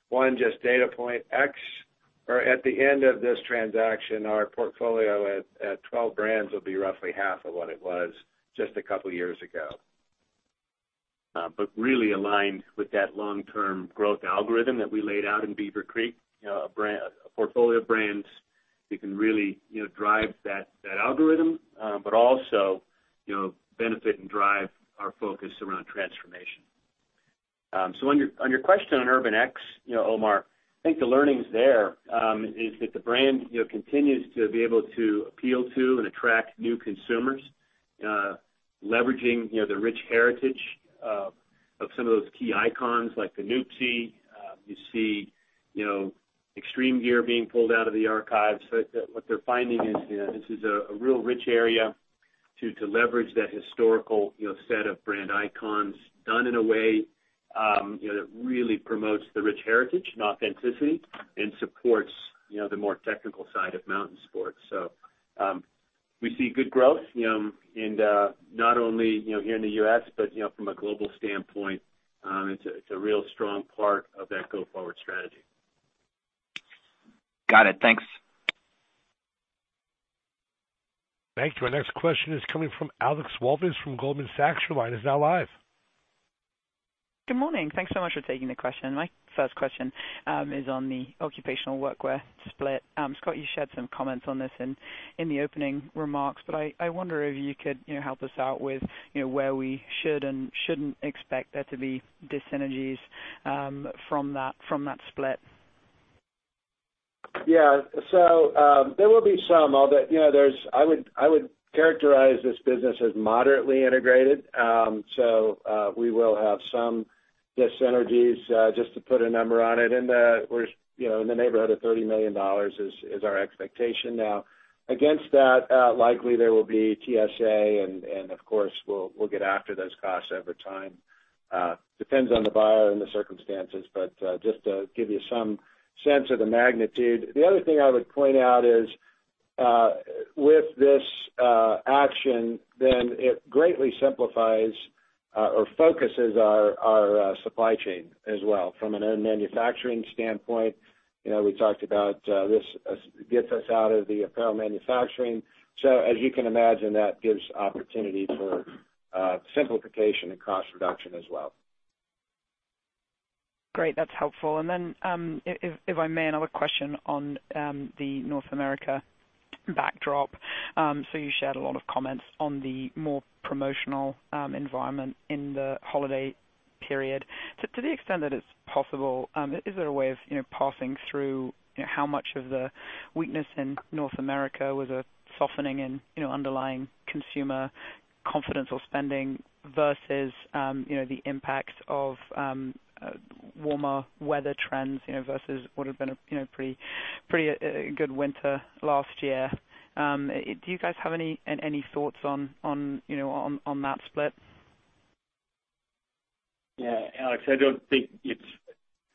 One, just data point at the end of this transaction, our portfolio at 12 brands will be roughly half of what it was just a couple of years ago. Really aligned with that long term growth algorithm that we laid out in Beaver Creek. A portfolio of brands that can really drive that algorithm, but also benefit and drive our focus around transformation. On your question on Urban X, Omar, I think the learnings there, is that the brand continues to be able to appeal to and attract new consumers, leveraging the rich heritage of some of those key icons like the Nuptse. You see extreme gear being pulled out of the archives. What they're finding is this is a real rich area to leverage that historical set of brand icons done in a way that really promotes the rich heritage and authenticity and supports the more technical side of Mountain Sports. We see good growth, and not only here in the U.S., but from a global standpoint, it's a real strong part of that go forward strategy. Got it. Thanks. Thank you. Our next question is coming from Alex Walvis from Goldman Sachs. Your line is now live. Good morning. Thanks so much for taking the question. My first question is on the occupational Workwear split. Scott, you shed some comments on this in the opening remarks, but I wonder if you could help us out with where we should and shouldn't expect there to be dyssynergies from that split. Yeah. There will be some. I would characterize this business as moderately integrated. We will have some dyssynergies, just to put a number on it in the neighborhood of $30 million is our expectation. Now against that, likely there will be TSA and of course, we'll get after those costs over time. Depends on the buyer and the circumstances. Just to give you some sense of the magnitude. The other thing I would point out is, with this action, it greatly simplifies or focuses our supply chain as well from a manufacturing standpoint. We talked about this gets us out of the apparel manufacturing. As you can imagine, that gives opportunity for simplification and cost reduction as well. Great. That's helpful. If I may, another question on the North America backdrop. You shared a lot of comments on the more promotional environment in the holiday period. To the extent that it's possible, is there a way of passing through how much of the weakness in North America was a softening in underlying consumer confidence or spending versus the impacts of warmer weather trends versus what have been a pretty good winter last year. Do you guys have any thoughts on that split? Yeah, Alex, it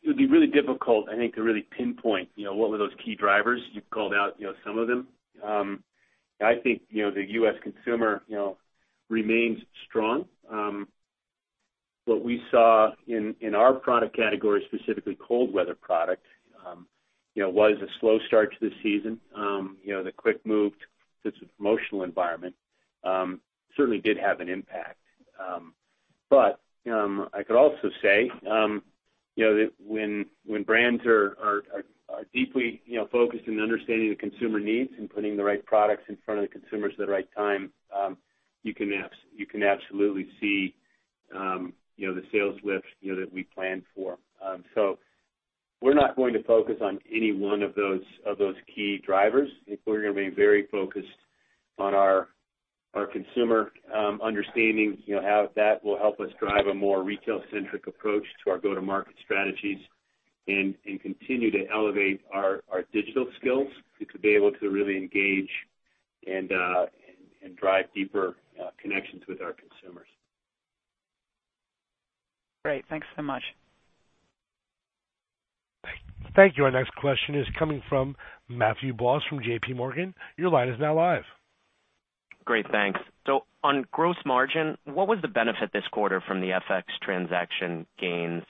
would be really difficult, I think, to really pinpoint what were those key drivers. You called out some of them. I think the U.S. consumer remains strong. What we saw in our product category, specifically cold weather product, was a slow start to the season. The quick move to this promotional environment certainly did have an impact. I could also say that when brands are deeply focused in understanding the consumer needs and putting the right products in front of the consumers at the right time, you can absolutely see the sales lift that we planned for. We're not going to focus on any one of those key drivers. I think we're going to be very focused on our consumer understanding. That will help us drive a more retail-centric approach to our go-to-market strategies and continue to elevate our digital skills to be able to really engage and drive deeper connections with our consumers. Great. Thanks so much. Thank you. Our next question is coming from Matthew Boss from JPMorgan. Your line is now live. Great. Thanks. On gross margin, what was the benefit this quarter from the FX transaction gains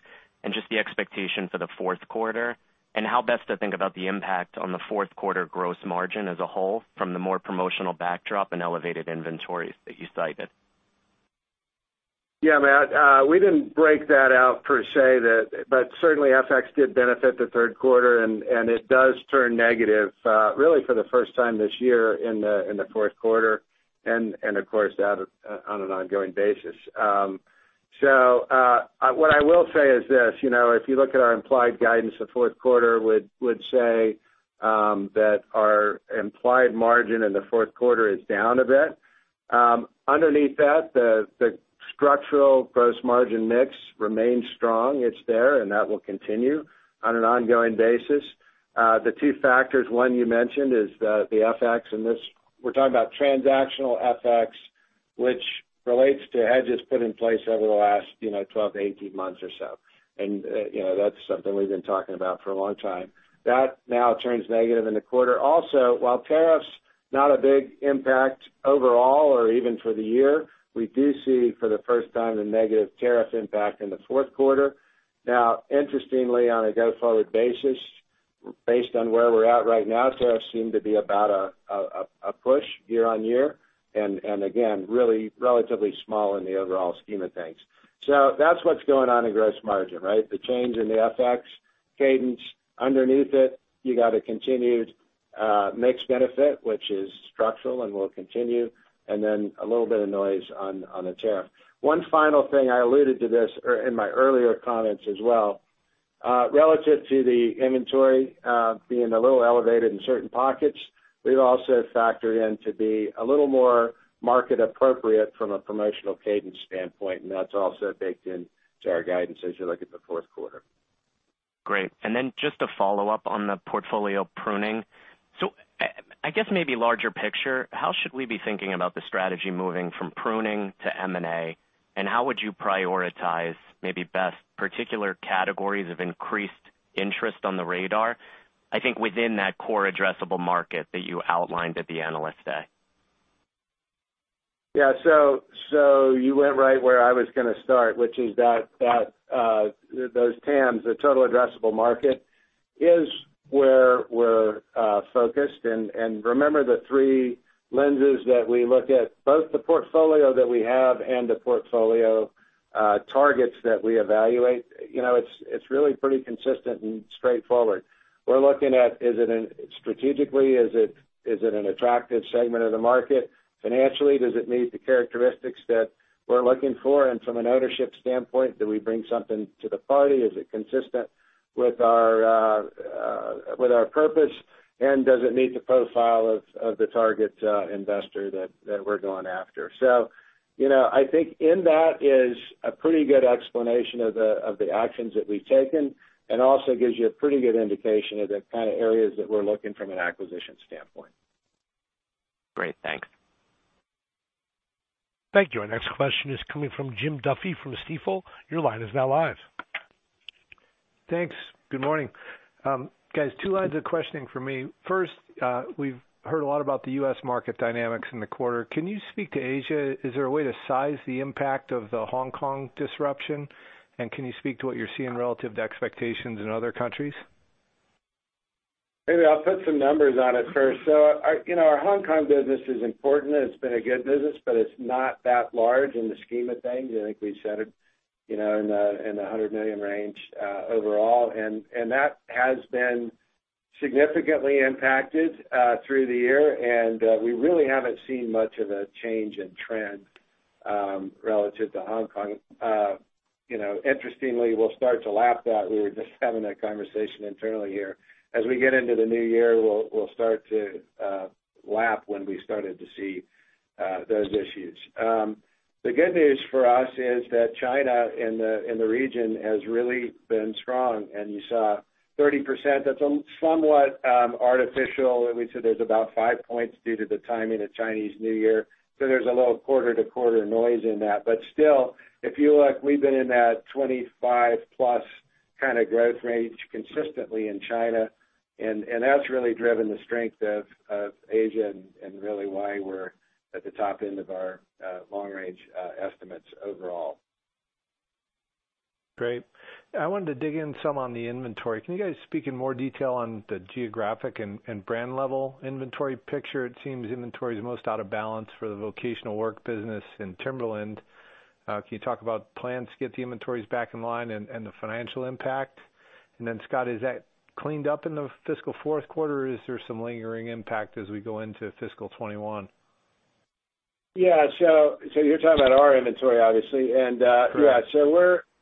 and just the expectation for the fourth quarter? How best to think about the impact on the fourth quarter gross margin as a whole from the more promotional backdrop and elevated inventories that you cited? Yeah, Matt, we didn't break that out per se, but certainly FX did benefit the third quarter, and it does turn negative really for the first time this year in the fourth quarter, and of course, on an ongoing basis. What I will say is this. If you look at our implied guidance, the fourth quarter would say that our implied margin in the fourth quarter is down a bit. Underneath that, the structural gross margin mix remains strong. It's there, and that will continue on an ongoing basis. The two factors, one you mentioned is the FX, and we're talking about transactional FX, which relates to hedges put in place over the last 12-18 months or so. That's something we've been talking about for a long time. That now turns negative in the quarter. While tariff's not a big impact overall or even for the year, we do see, for the first time, the negative tariff impact in the fourth quarter. Interestingly, on a go-forward basis, based on where we're at right now, tariffs seem to be about a push year on year, and again, really relatively small in the overall scheme of things. That's what's going on in gross margin, right. The change in the FX cadence. Underneath it, you got a continued mix benefit, which is structural and will continue, and then a little bit of noise on the tariff. One final thing, I alluded to this in my earlier comments as well. Relative to the inventory being a little elevated in certain pockets, we've also factored in to be a little more market appropriate from a promotional cadence standpoint, and that's also baked into our guidance as you look at the fourth quarter. Great. Then just a follow-up on the portfolio pruning. I guess maybe larger picture, how should we be thinking about the strategy moving from pruning to M&A, and how would you prioritize maybe best particular categories of increased interest on the radar, I think within that core addressable market that you outlined at the Analyst Day? Yeah. You went right where I was going to start, which is those TAMs, the total addressable market, is where we're focused. Remember the three lenses that we look at, both the portfolio that we have and the portfolio targets that we evaluate. It's really pretty consistent and straightforward. We're looking at strategically, is it an attractive segment of the market? Financially, does it meet the characteristics that we're looking for? From an ownership standpoint, do we bring something to the party? Is it consistent with our purpose, and does it meet the profile of the target investor that we're going after? I think in that is a pretty good explanation of the actions that we've taken and also gives you a pretty good indication of the kind of areas that we're looking from an acquisition standpoint. Great. Thanks. Thank you. Our next question is coming from Jim Duffy from Stifel. Your line is now live. Thanks. Good morning. Guys, two lines of questioning for me. First, we've heard a lot about the U.S. market dynamics in the quarter. Can you speak to Asia? Is there a way to size the impact of the Hong Kong disruption? Can you speak to what you're seeing relative to expectations in other countries? I'll put some numbers on it first. Our Hong Kong business is important, and it's been a good business, but it's not that large in the scheme of things. I think we said it in the $100 million range overall, and that has been significantly impacted through the year, and we really haven't seen much of a change in trend relative to Hong Kong. Interestingly, we'll start to lap that. We were just having that conversation internally here. As we get into the new year, we'll start to lap when we started to see those issues. The good news for us is that China in the region has really been strong, and you saw 30%. That's somewhat artificial. We said there's about five points due to the timing of Chinese New Year. There's a little quarter-to-quarter noise in that. Still, if you look, we've been in that 25+ kind of growth range consistently in China, and that's really driven the strength of Asia and really why we're at the top end of our long-range estimates overall. Great. I wanted to dig in some on the inventory. Can you guys speak in more detail on the geographic and brand level inventory picture? It seems inventory is most out of balance for the vocational work business in Timberland. Can you talk about plans to get the inventories back in line and the financial impact? Scott, is that cleaned up in the fiscal fourth quarter, or is there some lingering impact as we go into fiscal 2021? Yeah. You're talking about our inventory, obviously. Correct.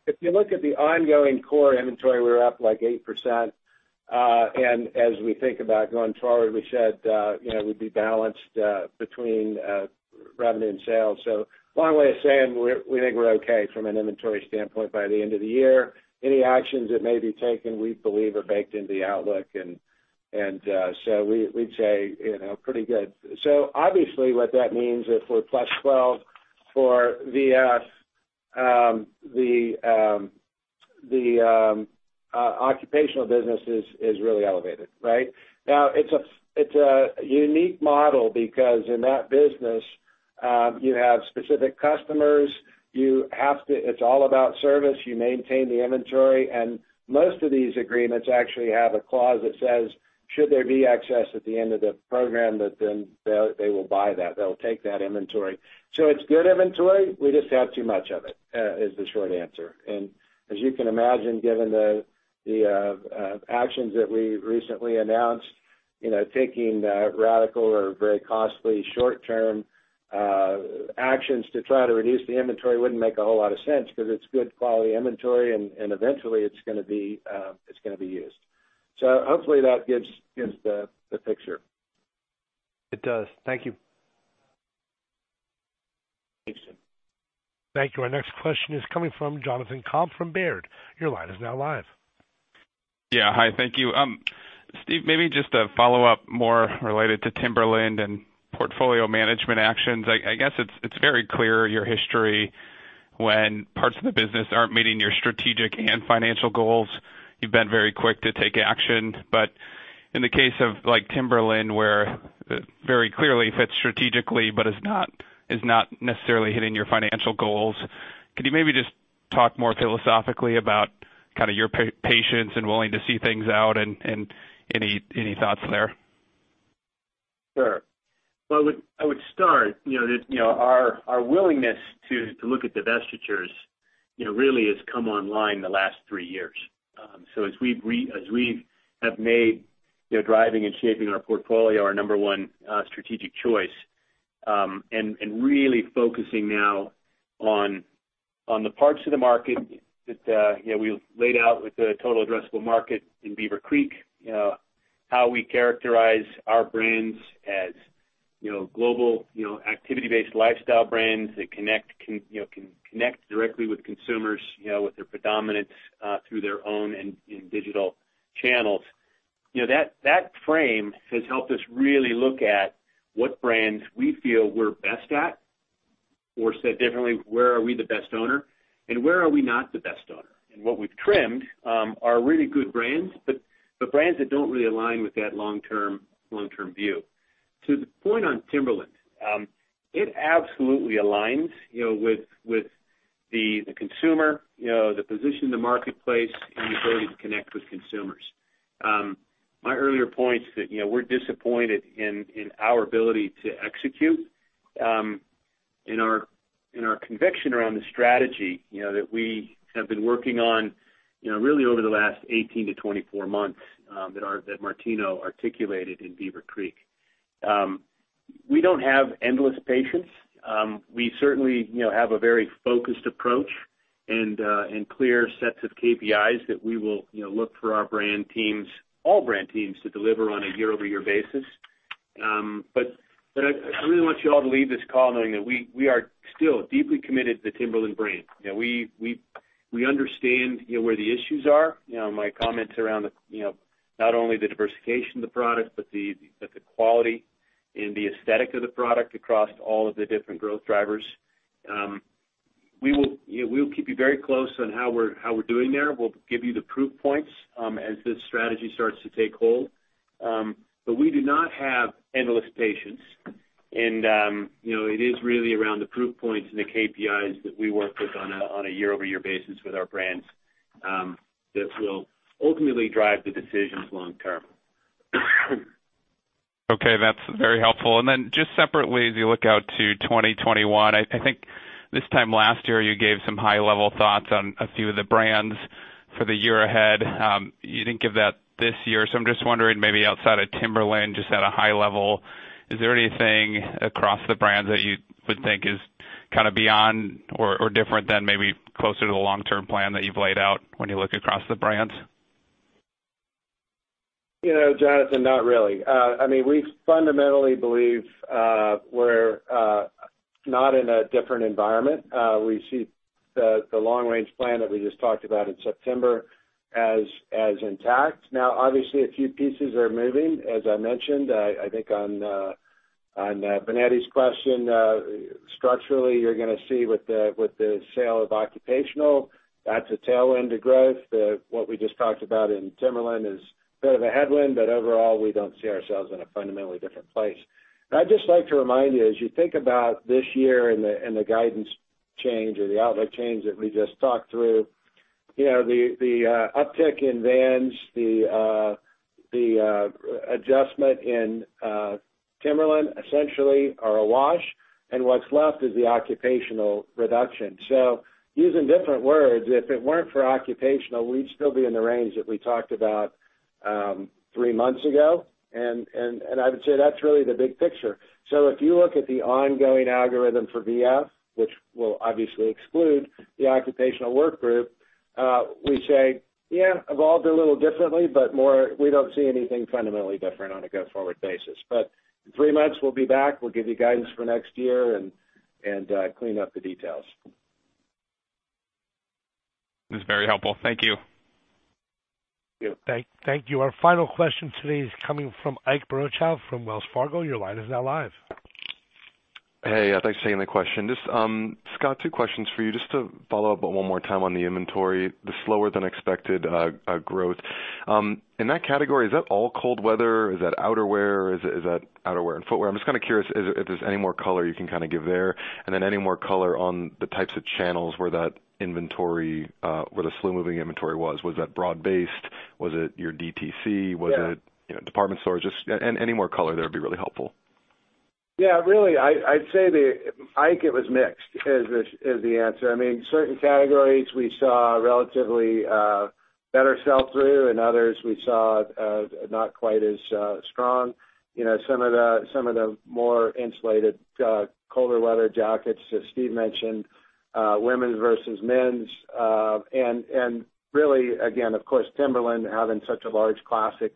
If you look at the ongoing core inventory, we're up like 8%. As we think about going forward, we said we'd be balanced between revenue and sales. Long way of saying, we think we're okay from an inventory standpoint by the end of the year. Any actions that may be taken, we believe are baked into the outlook. We'd say pretty good. Obviously what that means if we're plus 12% for VF, the occupational business is really elevated, right? Now it's a unique model because in that business, you have specific customers. It's all about service. You maintain the inventory, and most of these agreements actually have a clause that says, should there be excess at the end of the program, that then they will buy that. They'll take that inventory. It's good inventory. We just have too much of it, is the short answer. As you can imagine, given the actions that we recently announced, taking radical or very costly short-term actions to try to reduce the inventory wouldn't make a whole lot of sense because it's good quality inventory, and eventually it's going to be used. Hopefully that gives the picture. It does. Thank you. Thanks. Thank you. Our next question is coming from Jonathan Komp from Baird. Your line is now live. Hi, thank you. Steve, maybe just a follow-up more related to Timberland and portfolio management actions. I guess it's very clear your history when parts of the business aren't meeting your strategic and financial goals, you've been very quick to take action. In the case of Timberland, where it very clearly fits strategically but is not necessarily hitting your financial goals, could you maybe just talk more philosophically about your patience and willing to see things out and any thoughts there? Sure. I would start, our willingness to look at divestitures really has come online the last three years. As we have made driving and shaping our portfolio our number one strategic choice, and really focusing now on the parts of the market that we laid out with the total addressable market in Beaver Creek. We characterize our brands as global activity-based lifestyle brands that can connect directly with consumers with their predominance through their own and in digital channels. That frame has helped us really look at what brands we feel we're best at, or said differently, where are we the best owner and where are we not the best owner? What we've trimmed are really good brands, but brands that don't really align with that long-term view. To the point on Timberland. It absolutely aligns with the consumer, the position in the marketplace, and the ability to connect with consumers. My earlier points that we're disappointed in our ability to execute, in our conviction around the strategy that we have been working on really over the last 18-24 months, that Martino articulated in Beaver Creek. We don't have endless patience. We certainly have a very focused approach and clear sets of KPIs that we will look for our brand teams, all brand teams to deliver on a year-over-year basis. I really want you all to leave this call knowing that we are still deeply committed to the Timberland brand. We understand where the issues are. My comments around not only the diversification of the product, but the quality and the aesthetic of the product across all of the different growth drivers. We will keep you very close on how we're doing there. We'll give you the proof points as this strategy starts to take hold. We do not have endless patience, and it is really around the proof points and the KPIs that we work with on a year-over-year basis with our brands, that will ultimately drive the decisions long term. Okay. That's very helpful. Just separately, as you look out to 2021, I think this time last year you gave some high-level thoughts on a few of the brands for the year ahead. You didn't give that this year. I'm just wondering, maybe outside of Timberland, just at a high-level, is there anything across the brands that you would think is beyond or different than maybe closer to the long-term plan that you've laid out when you look across the brands? Jonathan, not really. We fundamentally believe we're not in a different environment. We see the long range plan that we just talked about in September as intact. Obviously, a few pieces are moving, as I mentioned. I think on Binetti's question, structurally, you're going to see with the sale of occupational, that's a tailwind to growth. What we just talked about in Timberland is sort of a headwind. Overall, we don't see ourselves in a fundamentally different place. I'd just like to remind you, as you think about this year and the guidance change or the outlook change that we just talked through. The uptick in Vans, the adjustment in Timberland essentially are a wash, and what's left is the occupational reduction. Using different words, if it weren't for occupational, we'd still be in the range that we talked about three months ago. I would say that's really the big picture. If you look at the ongoing algorithm for VF, which will obviously exclude the occupational work group, we say, yeah, evolved a little differently, but we don't see anything fundamentally different on a go-forward basis. In three months, we'll be back. We'll give you guidance for next year and clean up the details. That's very helpful. Thank you. Yeah. Thank you. Our final question today is coming from Ike Boruchow from Wells Fargo. Your line is now live. Hey, thanks for taking the question. Scott, two questions for you. Just to follow up one more time on the inventory, the slower than expected growth. In that category, is that all cold weather? Is that outerwear? Is that outerwear and footwear? I'm just kind of curious if there's any more color you can give there, and then any more color on the types of channels where the slow-moving inventory was. Was that broad-based? Was it your DTC? Yeah. Was it department stores? Just any more color there would be really helpful. Yeah, really, I'd say, Ike, it was mixed, is the answer. Certain categories we saw relatively better sell-through, and others we saw not quite as strong. Some of the more insulated, colder weather jackets that Steve mentioned, women's versus men's. Really, again, of course, Timberland having such a large classic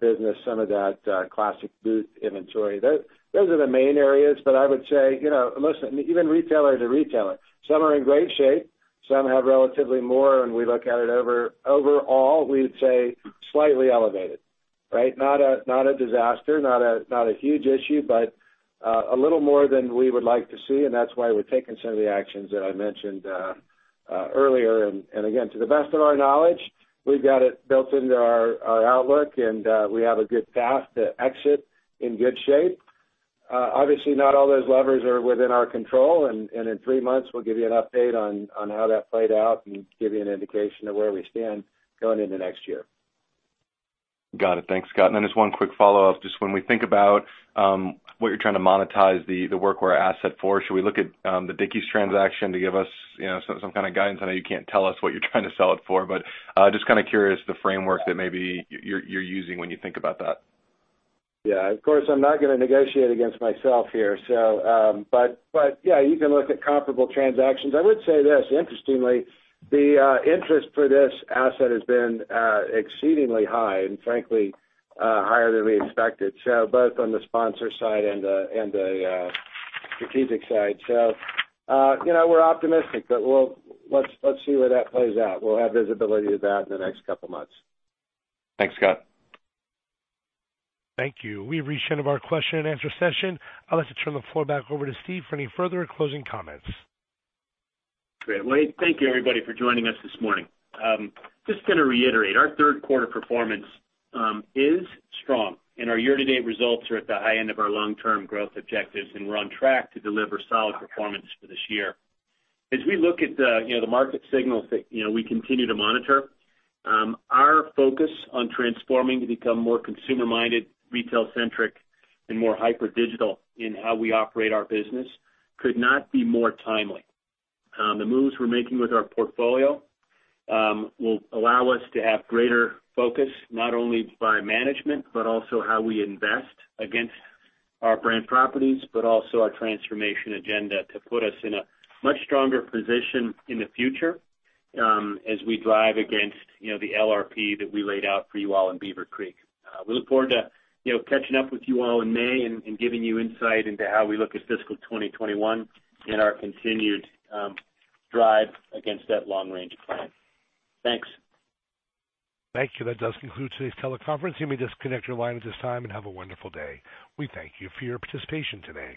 business, some of that classic boot inventory. Those are the main areas, but I would say, listen, even retailer to retailer. Some are in great shape. Some have relatively more. When we look at it overall, we would say slightly elevated, right? Not a disaster, not a huge issue, but a little more than we would like to see, and that's why we've taken some of the actions that I mentioned earlier. Again, to the best of our knowledge, we've got it built into our outlook, and we have a good path to exit in good shape. Obviously, not all those levers are within our control, and in three months, we'll give you an update on how that played out and give you an indication of where we stand going into next year. Got it. Thanks, Scott. Just one quick follow-up. Just when we think about what you're trying to monetize the Workwear asset for, should we look at the Dickies transaction to give us some kind of guidance? I know you can't tell us what you're trying to sell it for, just kind of curious the framework that maybe you're using when you think about that. Yeah. Of course, I'm not going to negotiate against myself here. Yeah, you can look at comparable transactions. I would say this, interestingly, the interest for this asset has been exceedingly high and frankly, higher than we expected, both on the sponsor side and the strategic side. We're optimistic, but let's see where that plays out. We'll have visibility of that in the next couple of months. Thanks, Scott. Thank you. We've reached the end of our question and answer session. I'd like to turn the floor back over to Steve for any further closing comments. Great. Well, thank you, everybody, for joining us this morning. Our third quarter performance is strong, and our year-to-date results are at the high end of our long-term growth objectives, and we're on track to deliver solid performance for this year. As we look at the market signals that we continue to monitor, our focus on transforming to become more consumer-minded, retail-centric, and more hyper-digital in how we operate our business could not be more timely. The moves we're making with our portfolio will allow us to have greater focus, not only by management, but also how we invest against our brand properties, but also our transformation agenda to put us in a much stronger position in the future as we drive against the LRP that we laid out for you all in Beaver Creek. We look forward to catching up with you all in May and giving you insight into how we look at fiscal 2021 and our continued drive against that long-range plan. Thanks. Thank you. That does conclude today's teleconference. You may disconnect your line at this time. Have a wonderful day. We thank you for your participation today.